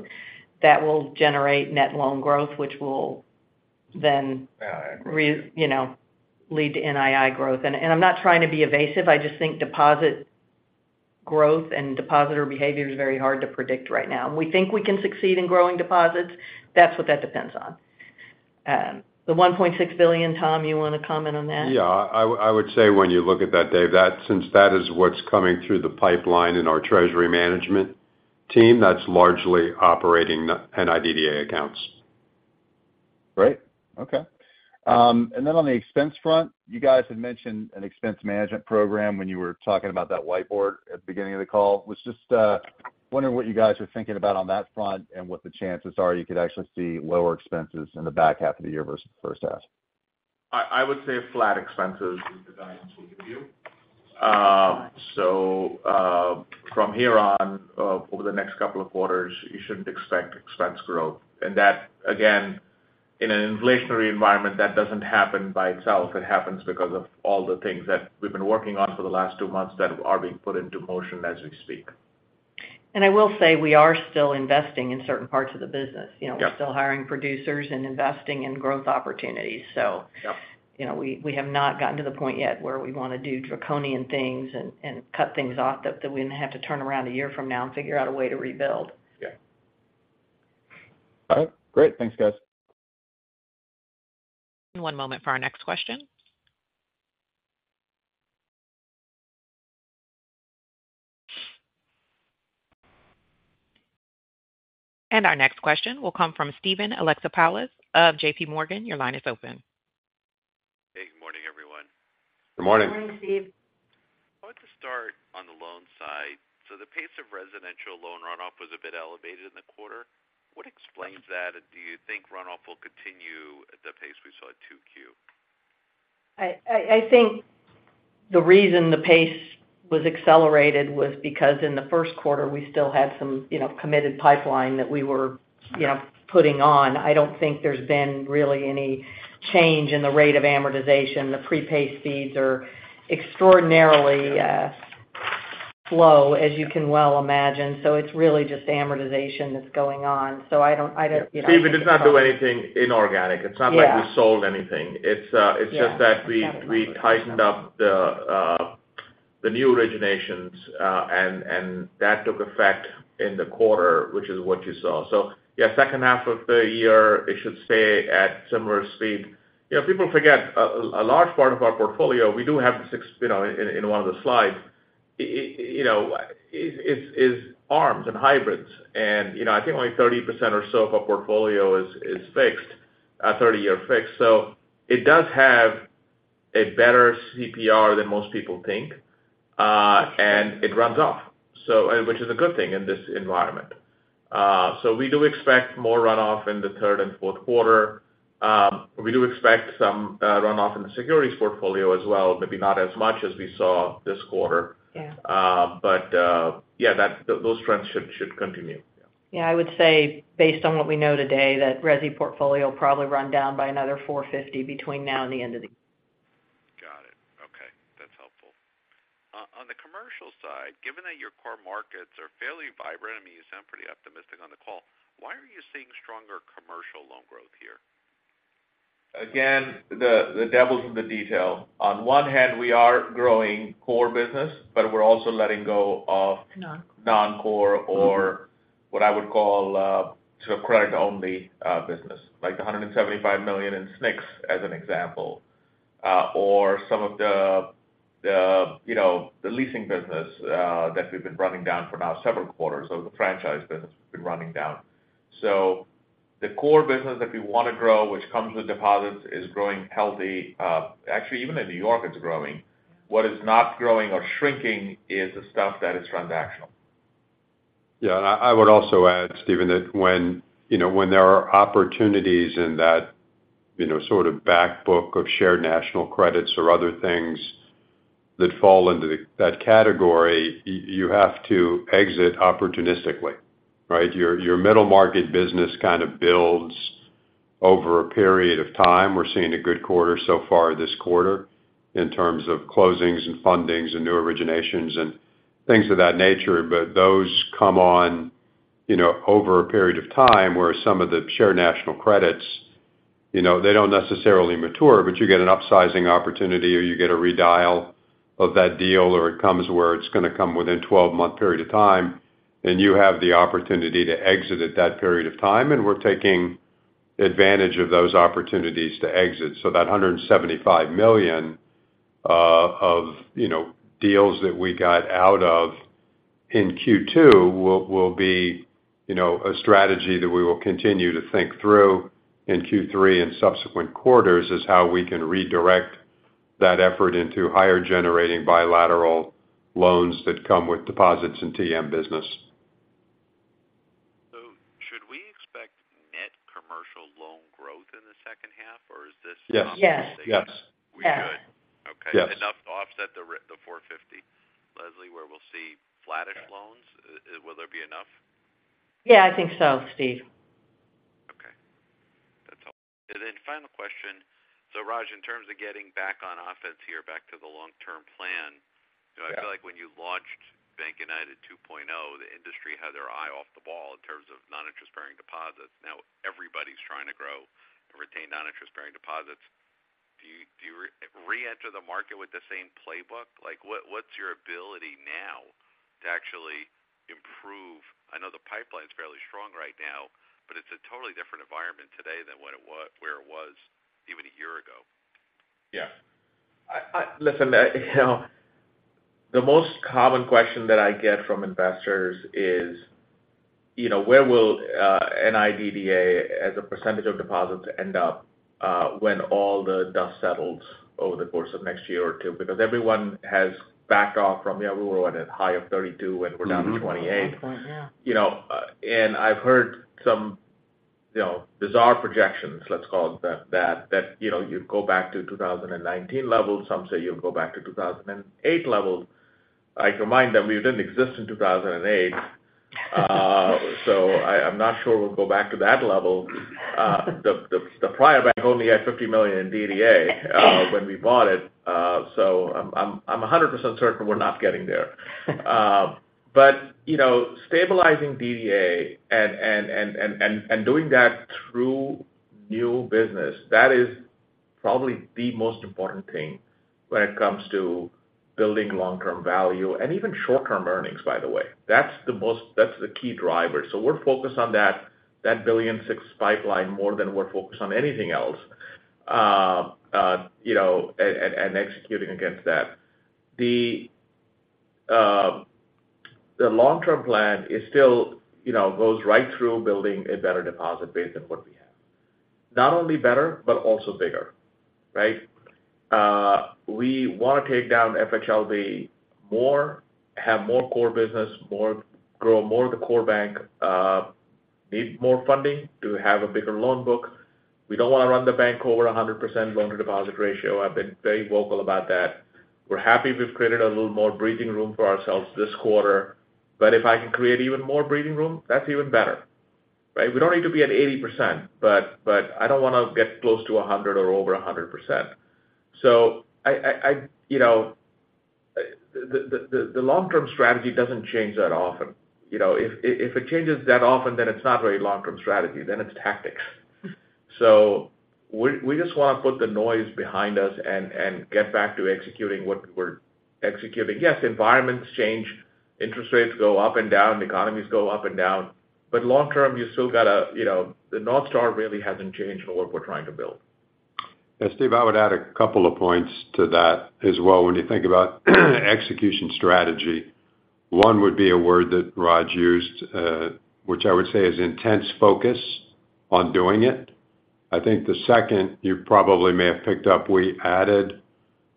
that will generate net loan growth, which will then you know, lead to NII growth. I'm not trying to be evasive, I just think deposit growth and depositor behavior is very hard to predict right now. We think we can succeed in growing deposits. That's what that depends on. The $1.6 billion, Tom, you want to comment on that? Yeah, I would say when you look at that, Dave, that since that is what's coming through the pipeline in our treasury management team, that's largely operating the NIDDA accounts. Great. Okay. On the expense front, you guys had mentioned an expense management program when you were talking about that whiteboard at the beginning of the call. Was just wondering what you guys are thinking about on that front and what the chances are you could actually see lower expenses in the back half of the year versus the first half? I would say flat expenses is the guidance we give you. From here on, over the next couple of quarters, you shouldn't expect expense growth. That, again, in an inflationary environment, that doesn't happen by itself. It happens because of all the things that we've been working on for the last two months that are being put into motion as we speak. I will say we are still investing in certain parts of the business. Yeah. You know, we're still hiring producers and investing in growth opportunities. Yeah... you know, we have not gotten to the point yet where we want to do draconian things and cut things off that we're going to have to turn around a year from now and figure out a way to rebuild. Yeah. All right. Great. Thanks, guys. One moment for our next question. Our next question will come from Steven Alexopoulos of JP Morgan. Your line is open. Hey, good morning, everyone. Good morning. Good morning, Steve. I want to start on the loan side. The pace of residential loan runoff was a bit elevated in the quarter. What explains that, and do you think runoff will continue at the pace we saw at Q2? I think the reason the pace was accelerated was because in the Q1, we still had some, you know, committed pipeline that we were, you know, putting on. I don't think there's been really any change in the rate of amortization. The prepay speeds are extraordinarily slow, as you can well imagine. It's really just amortization that's going on. I don't, you know. Steve, we did not do anything inorganic. Yeah. It's not like we sold anything. Yeah. It's, it's just that we- Yeah. we tightened up the new originations, and that took effect in the quarter, which is what you saw. Yeah, second half of the year, it should stay at similar speed. You know, people forget, a large part of our portfolio, we do have this six, you know, in one of the slides, it, you know, is arms and hybrids. You know, I think only 30% or so of our portfolio is fixed, a 30-year fixed. It does have a better CPR than most people think, and it runs off, so, and which is a good thing in this environment. We do expect more runoff in the third and Q4. We do expect some runoff in the securities portfolio as well, maybe not as much as we saw this quarter. Yeah. Yeah, those trends should continue. Yeah, I would say, based on what we know today, that resi portfolio will probably run down by another $450 between now and the end of the year. Got it. Okay, that's helpful. on the commercial side, given that your core markets are fairly vibrant, I mean, you sound pretty optimistic on the call, why are you seeing stronger commercial loan growth here? Again, the devil's in the detail. On one hand, we are growing core business, but we're also letting go of- Non-core. Non-core, or what I would call, sort of credit-only, business, like the $175 million in SNCs, as an example. Some of the, you know, the leasing business, that we've been running down for now several quarters, so the franchise business we've been running down. The core business that we want to grow, which comes with deposits, is growing healthy. Actually, even in New York, it's growing. What is not growing or shrinking is the stuff that is transactional. I would also add, Steven, that when, you know, when there are opportunities in that, you know, sort of back book of shared national credits or other things that fall into that category, you have to exit opportunistically, right? Your middle market business kind of builds over a period of time. We're seeing a good quarter so far this quarter in terms of closings and fundings and new originations and things of that nature. Those come on, you know, over a period of time, where some of the shared national credits, you know, they don't necessarily mature, but you get an upsizing opportunity or you get a redial of that deal, or it comes where it's going to come within 12-month period of time, then you have the opportunity to exit at that period of time. We're taking advantage of those opportunities to exit. That $175 million of, you know, deals that we got out of in Q2 will be, you know, a strategy that we will continue to think through in Q3 and subsequent quarters, is how we can redirect that effort into higher generating bilateral loans that come with deposits in TM business. Should we expect net commercial loan growth in the second half? Yes. Yes. Yes. We should. Yes. Okay. Enough to offset the $450, Leslie, where we'll see flattish loans? Will there be enough? Yeah, I think so, Steve. Okay, that's all. Final question: Raj, in terms of getting back on offense here, back to the long-term plan- Yeah I feel like when you launched BankUnited 2.0, the industry had their eye off the ball in terms of non-interest bearing deposits. Now everybody's trying to grow and retain non-interest bearing deposits. Do you reenter the market with the same playbook? Like, what's your ability now to actually improve? I know the pipeline's fairly strong right now, but it's a totally different environment today than where it was even a year ago? Yeah. I listen, you know, the most common question that I get from investors is, you know, where will NIDDA, as a percentage of deposits, end up when all the dust settles over the course of next year or two? Because everyone has backed off from, yeah, we were at a high of 32%, and we're down to 28%. At one point, yeah. You know, I've heard some, you know, bizarre projections, let's call them that, you know, you go back to 2019 levels. Some say you'll go back to 2008 levels. I remind them we didn't exist in 2008. I'm not sure we'll go back to that level. The prior bank only had $50 million in DDA when we bought it. I'm 100% certain we're not getting there. You know, stabilizing DDA and doing that through new business, that is probably the most important thing when it comes to building long-term value and even short-term earnings, by the way. That's the key driver. We're focused on that $1.6 billion pipeline, more than we're focused on anything else, you know, and executing against that. The long-term plan is still, you know, goes right through building a better deposit base than what we have. Not only better, but also bigger, right? We want to take down FHLB more, have more core business, grow more of the core bank, need more funding to have a bigger loan book. We don't want to run the bank over a 100% loan-to-deposit ratio. I've been very vocal about that. We're happy we've created a little more breathing room for ourselves this quarter, but if I can create even more breathing room, that's even better, right? We don't need to be at 80%, but I don't want to get close to 100% or over 100%. I, you know. The long-term strategy doesn't change that often. You know, if it changes that often, then it's not really long-term strategy, then it's tactics. We just want to put the noise behind us and get back to executing what we're executing. Yes, environments change, interest rates go up and down, economies go up and down, but long term, you still got to, you know, the North Star really hasn't changed in what we're trying to build. Yeah, Steve, I would add a couple of points to that as well. When you think about execution strategy, one would be a word that Raj used, which I would say is intense focus on doing it. I think the second you probably may have picked up, we added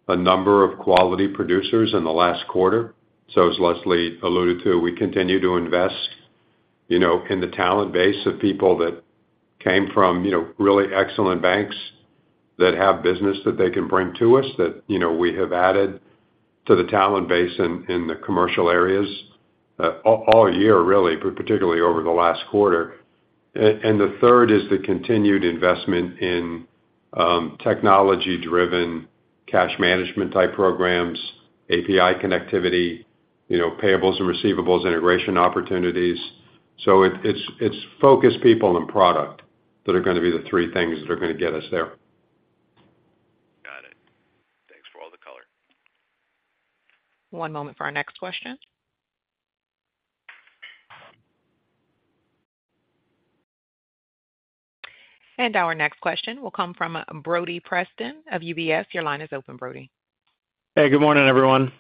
a number of quality producers in the last quarter. As Leslie alluded to, we continue to invest, you know, in the talent base of people that came from, you know, really excellent banks that have business that they can bring to us, that, you know, we have added to the talent base in the commercial areas all year, really, but particularly over the last quarter. The third is the continued investment in technology-driven cash management type programs, API connectivity, you know, payables and receivables, integration opportunities. It's focus, people, and product that are gonna be the three things that are gonna get us there. Got it. Thanks for all the color. One moment for our next question. Our next question will come from Brody Preston of UBS. Your line is open, Brody. Hey, good morning, everyone.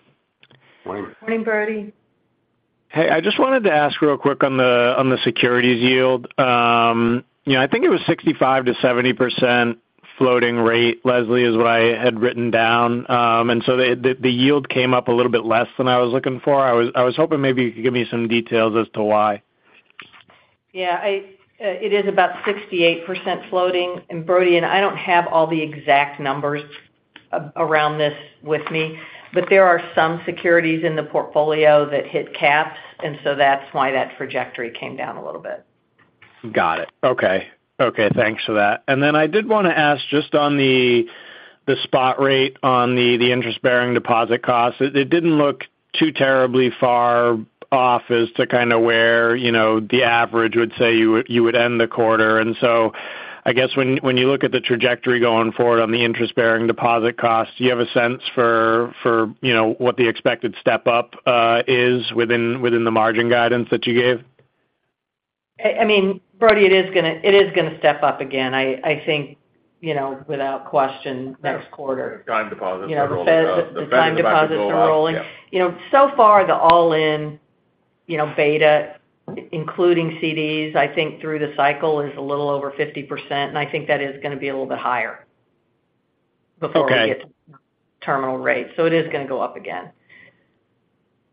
Morning. Morning, Brody. Hey, I just wanted to ask real quick on the securities yield. you know, I think it was 65%-70% floating rate, Leslie, is what I had written down. The yield came up a little bit less than I was looking for. I was hoping maybe you could give me some details as to why. Yeah, I, it is about 68% floating. Brody, and I don't have all the exact numbers around this with me, but there are some securities in the portfolio that hit caps, and so that's why that trajectory came down a little bit. Got it. Okay. Okay, thanks for that. Then I did wanna ask, just on the spot rate on the interest-bearing deposit costs, it didn't look too terribly far off as to kind of where, you know, the average would say you would, you would end the quarter. So I guess when you look at the trajectory going forward on the interest-bearing deposit costs, do you have a sense for, you know, what the expected step up is within the margin guidance that you gave? I mean, Brody, it is gonna step up again, I think, you know, without question, next quarter. Time deposits are rolling. The Fed is about to go up, yeah. You know, time deposits are rolling. You know, so far, the all-in, you know, beta, including CDs, I think through the cycle is a little over 50%, and I think that is gonna be a little bit higher. Okay. .Before we get to terminal rates. It is gonna go up again.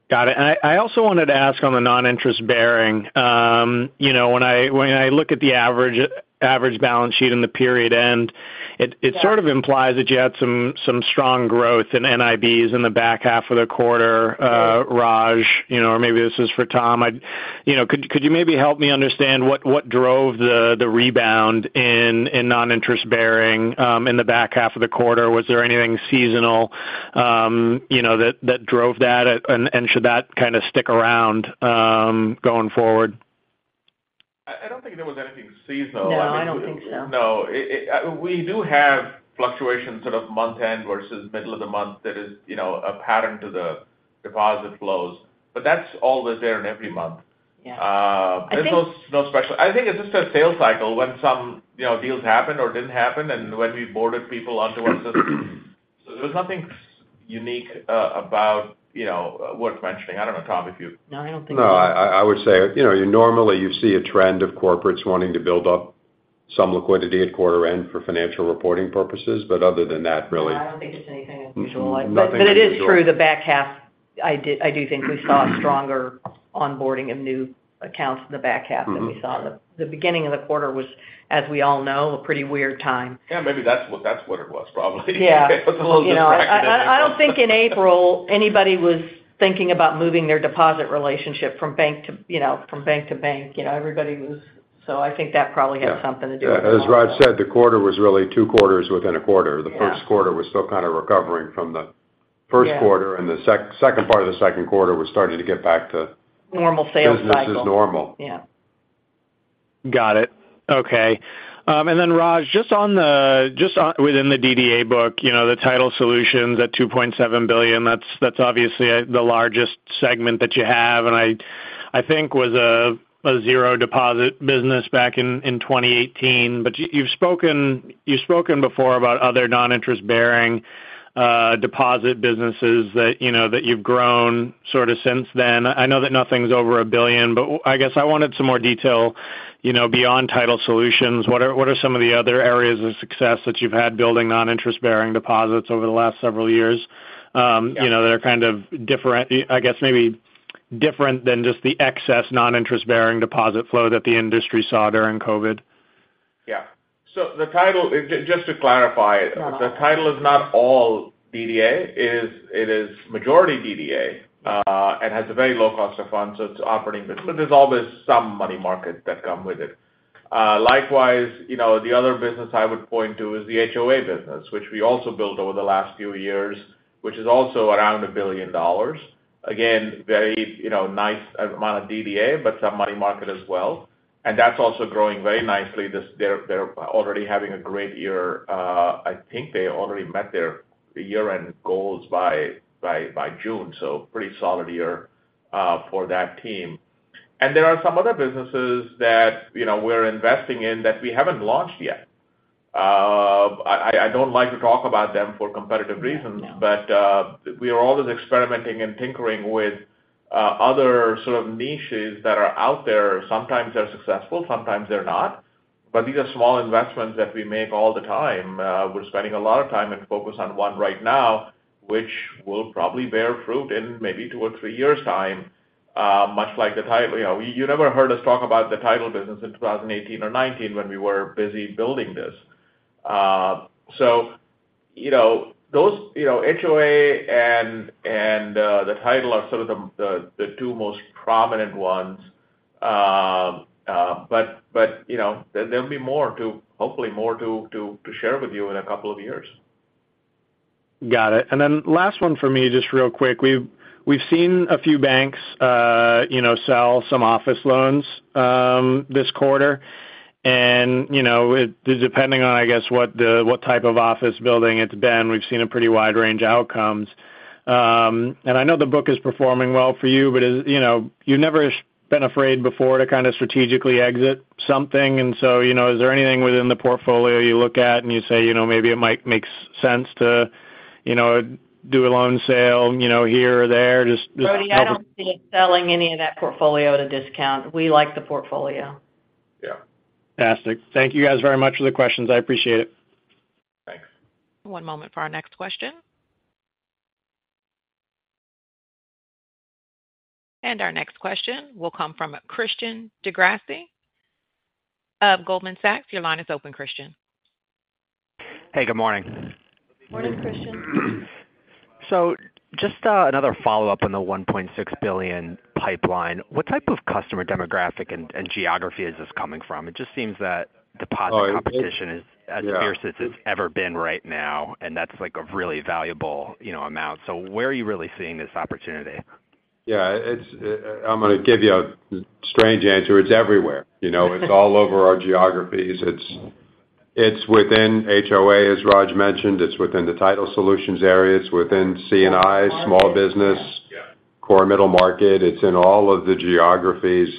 Got it. I also wanted to ask on the non-interest bearing. you know, when I look at the average balance sheet in the period end. Yeah. It sort of implies that you had some strong growth in NIBs in the back half of the quarter. Raj, you know, or maybe this is for Tom. You know, could you maybe help me understand what drove the rebound in non-interest bearing in the back half of the quarter? Was there anything seasonal, you know, that drove that, and should that kind of stick around going forward? I don't think there was anything seasonal. No, I don't think so. No. It We do have fluctuations sort of month-end versus middle of the month that is, you know, a pattern to the deposit flows, but that's always there in every month. Yeah. There's no. I think it's just a sales cycle when some, you know, deals happened or didn't happen, and when we boarded people onto our system. There was nothing unique about, you know, worth mentioning. I don't know, Tom. No, I don't think so. No, I would say, you know, normally, you see a trend of corporates wanting to build up some liquidity at quarter end for financial reporting purposes, but other than that. No, I don't think it's anything unusual. Nothing unusual. It is true, the back half, I do think we saw a stronger onboarding of new accounts in the back half. Mm-hmm.. Than we saw in the beginning of the quarter was, as we all know, a pretty weird time. Yeah, maybe that's what, that's what it was, probably. Yeah. It was a little distraction. You know, I don't think in April anybody was thinking about moving their deposit relationship from bank to, you know, from bank to bank. You know, everybody was... I think that probably had something to do with it also. Yeah. As Raj said, the quarter was really Q2 within a quarter. Yeah. The Q1 was still kind of recovering from the Q1. Yeah. The second part of the Q2 was starting to get back. Normal sales cycle. business as normal. Yeah. Got it. Okay. And then Raj, just on the within the DDA book, you know, the title solutions at $2.7 billion, that's obviously the largest segment that you have, and I think was a zero deposit business back in 2018. You've spoken before about other non-interest-bearing deposit businesses that, you know, that you've grown sort of since then. I know that nothing's over $1 billion, but I guess I wanted some more detail, you know, beyond title solutions. What are some of the other areas of success that you've had building non-interest-bearing deposits over the last several years? Yeah. You know, that are kind of different, I guess maybe different than just the excess non-interest-bearing deposit flow that the industry saw during COVID? Yeah. Just to clarify. Yeah. The title is not all DDA. It is majority DDA and has a very low cost of funds, so it's operating, but there's always some money markets that come with it. Likewise, you know, the other business I would point to is the HOA business, which we also built over the last few years, which is also around $1 billion. Again, very, you know, nice amount of DDA, but some money market as well. That's also growing very nicely. They're already having a great year. I think they already met their year-end goals by June, so pretty solid year for that team. There are some other businesses that, you know, we're investing in that we haven't launched yet. I don't like to talk about them for competitive reasons. No. We are always experimenting and tinkering with other sort of niches that are out there. Sometimes they're successful, sometimes they're not. These are small investments that we make all the time. We're spending a lot of time and focus on one right now, which will probably bear fruit in maybe two or three years' time, much like the title. You know, you never heard us talk about the title business in 2018 or 2019 when we were busy building this. You know, those, you know, HOA and the title are sort of the two most prominent ones. You know, there'll be more to hopefully more to share with you in a couple of years. Got it. Last one for me, just real quick. We've seen a few banks, you know, sell some office loans, this quarter. You know, depending on, I guess, what type of office building it's been, we've seen a pretty wide range of outcomes. I know the book is performing well for you, but is, you know, you've never been afraid before to kind of strategically exit something. You know, is there anything within the portfolio you look at and you say, you know, maybe it might make sense to, you know, do a loan sale, you know, here or there? Brody, I don't see selling any of that portfolio at a discount. We like the portfolio. Yeah. Fantastic. Thank you guys very much for the questions. I appreciate it. Thanks. One moment for our next question. Our next question will come from Christian DeGrasse of Goldman Sachs. Your line is open, Christian. Hey, good morning. Morning, Christian. Just, another follow-up on the $1.6 billion pipeline. What type of customer demographic and geography is this coming from? It just seems that deposit competition? Oh, yeah. is as fierce as it's ever been right now, and that's like a really valuable, you know, amount. Where are you really seeing this opportunity? Yeah, it's, I'm going to give you a strange answer. It's everywhere. You know, it's all over our geographies. It's within HOA, as Raj mentioned. It's within the title solutions areas, within CNI, small business, core middle market. It's in all of the geographies,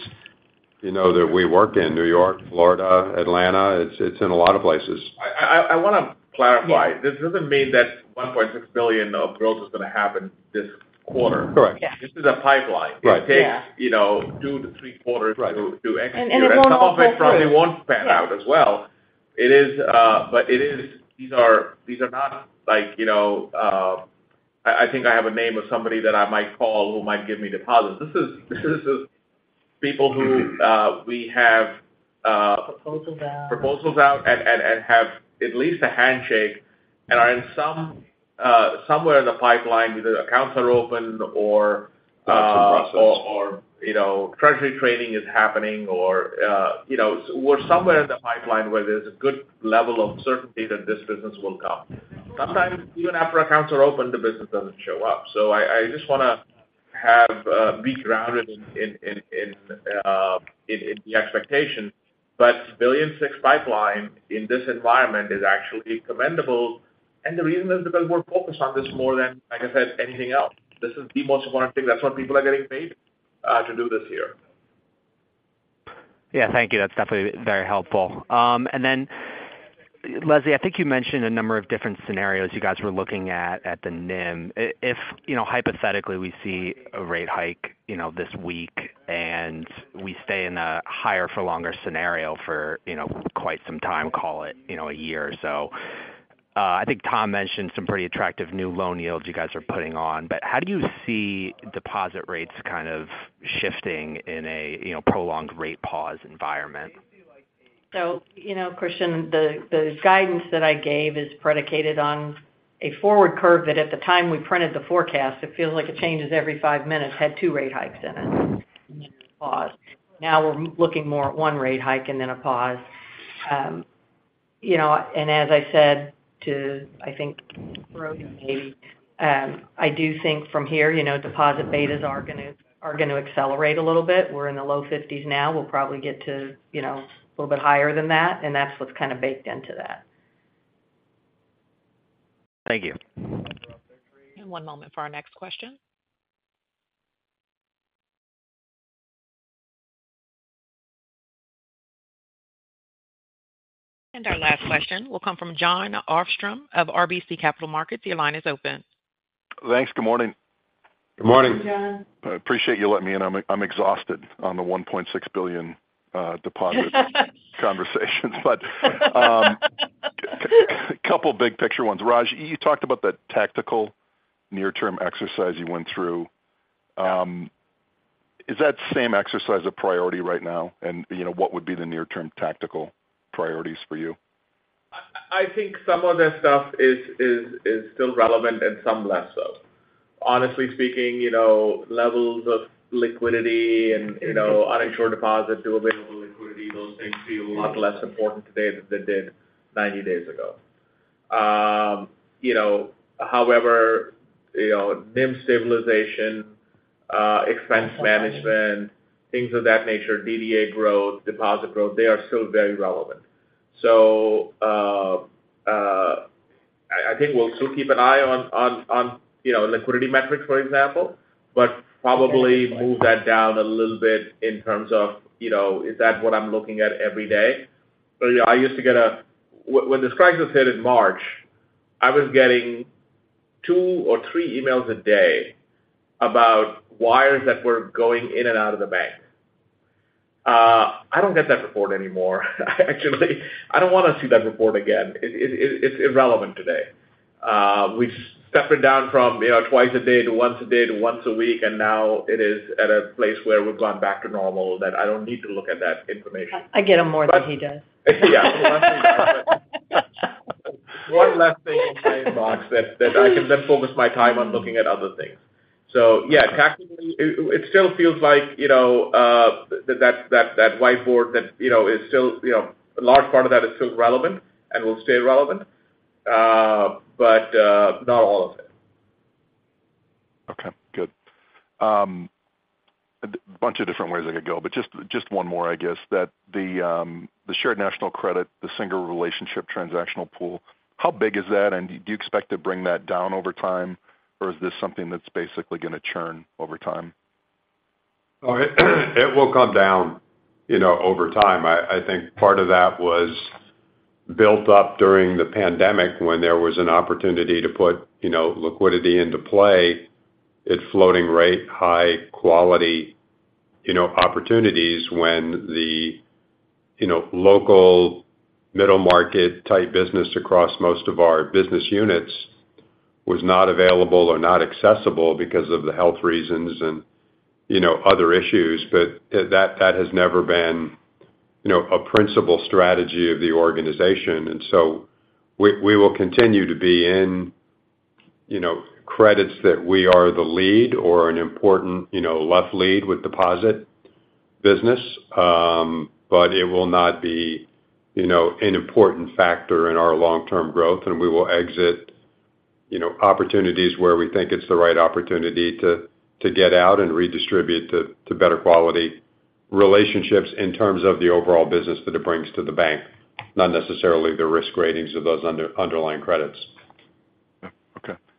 you know, that we work in: New York, Florida, Atlanta. It's in a lot of places. I want to clarify. This doesn't mean that $1.6 billion of growth is going to happen this quarter. Correct. This is a pipeline. Right. It takes, you know, 2-3 quarters- Right - to execute. It won't all close. Some of it probably won't pan out as well. Yes. It is, but it is, these are not like, you know, I think I have a name of somebody that I might call who might give me deposits. This is people who we have. Proposals out. proposals out and have at least a handshake and are in some, somewhere in the pipeline, whether the accounts are open or, Process. You know, treasury trading is happening or, you know, we're somewhere in the pipeline where there's a good level of certainty that this business will come. Sometimes even after accounts are open, the business doesn't show up. I just want to have be grounded in the expectation. Billion 6 pipeline in this environment is actually commendable, and the reason is because we're focused on this more than, like I said, anything else. This is the most important thing. That's what people are getting paid to do this year. Yeah, thank you. That's definitely very helpful. And then, Leslie, I think you mentioned a number of different scenarios you guys were looking at at the NIM. If, you know, hypothetically, we see a rate hike, you know, this week, and we stay in a higher for longer scenario for, you know, quite some time, call it, you know, a year or so. I think Tom mentioned some pretty attractive new loan yields you guys are putting on, but how do you see deposit rates kind of shifting in a, you know, prolonged rate pause environment? you know, Christian, the guidance that I gave is predicated on a forward curve that at the time we printed the forecast, it feels like it changes every five minutes, had two rate hikes in it and then a pause. Now we're looking more at one rate hike and then a pause. you know, and as I said to, I think, Brody, I do think from here, you know, deposit betas are going to accelerate a little bit. We're in the low 50s now. We'll probably get to, you know, a little bit higher than that, and that's what's kind of baked into that. Thank you. One moment for our next question. Our last question will come from Jon Arfstrom of RBC Capital Markets. Your line is open. Thanks. Good morning. Good morning. Good morning, John. I appreciate you letting me in. I'm exhausted on the $1.6 billion conversations. Couple big picture ones. Raj, you talked about the tactical near-term exercise you went through. Is that same exercise a priority right now? You know, what would be the near term tactical priorities for you? I think some of that stuff is still relevant and some less so. Honestly speaking, you know, levels of liquidity and, you know, uninsured deposits to available liquidity, those things feel a lot less important today than they did 90 days ago. However, you know, NIM stabilization, expense management, things of that nature, DDA growth, deposit growth, they are still very relevant. I think we'll still keep an eye on liquidity metrics, for example, but probably move that down a little bit in terms of, you know, is that what I'm looking at every day? Yeah, I used to get. When this crisis hit in March, I was getting 2 or 3 emails a day about wires that were going in and out of the bank. I don't get that report anymore. Actually, I don't want to see that report again. It's irrelevant today. We've stepped it down from, you know, twice a day to once a day to once a week. Now it is at a place where we've gone back to normal, that I don't need to look at that information. I get them more than he does. Yeah. One less thing in my inbox that I can then focus my time on looking at other things. Yeah, tactically, it still feels like, you know, that whiteboard that, you know, is still, you know, a large part of that is still relevant and will stay relevant, but, not all of it. Okay, good. A bunch of different ways I could go, but just one more, I guess. That the shared national credit, the single relationship transactional pool, how big is that? Do you expect to bring that down over time, or is this something that's basically going to churn over time? Oh, it will come down, you know, over time. I think part of that was built up during the pandemic when there was an opportunity to put, you know, liquidity into play at floating rate, high quality, you know, opportunities when the, you know, local middle market type business across most of our business units was not available or not accessible because of the health reasons and, you know, other issues. That has never been, you know, a principal strategy of the organization. We will continue to be in, you know, credits that we are the lead or an important, you know, left lead with deposit business. It will not be, you know, an important factor in our long-term growth, and we will exit, you know, opportunities where we think it's the right opportunity to get out and redistribute to better quality relationships in terms of the overall business that it brings to BankUnited, not necessarily the risk ratings of those underlying credits.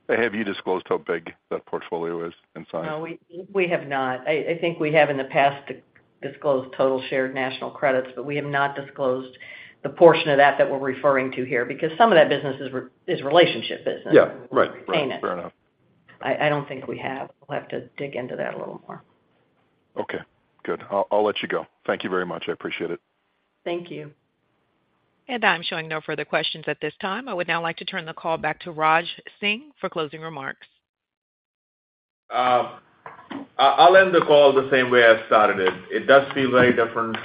Have you disclosed how big that portfolio is in size? No, we have not. I think we have in the past disclosed total shared national credits, but we have not disclosed the portion of that we're referring to here, because some of that business is relationship business. Yeah. Right. Fair enough. I don't think we have. We'll have to dig into that a little more. Okay, good. I'll let you go. Thank you very much. I appreciate it. Thank you. I'm showing no further questions at this time. I would now like to turn the call back to Raj Singh for closing remarks. I'll end the call the same way I started it. It does feel very different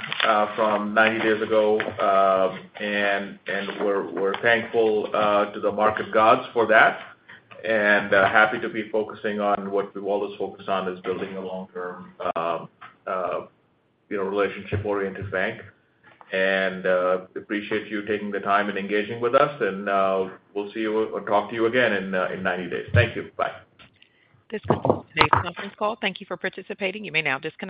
from 90 days ago. We're thankful to the market gods for that, and happy to be focusing on what we've always focused on, is building a long-term, you know, relationship-oriented bank. Appreciate you taking the time and engaging with us, and we'll see you or talk to you again in 90 days. Thank you. Bye. This concludes today's conference call. Thank you for participating. You may now disconnect.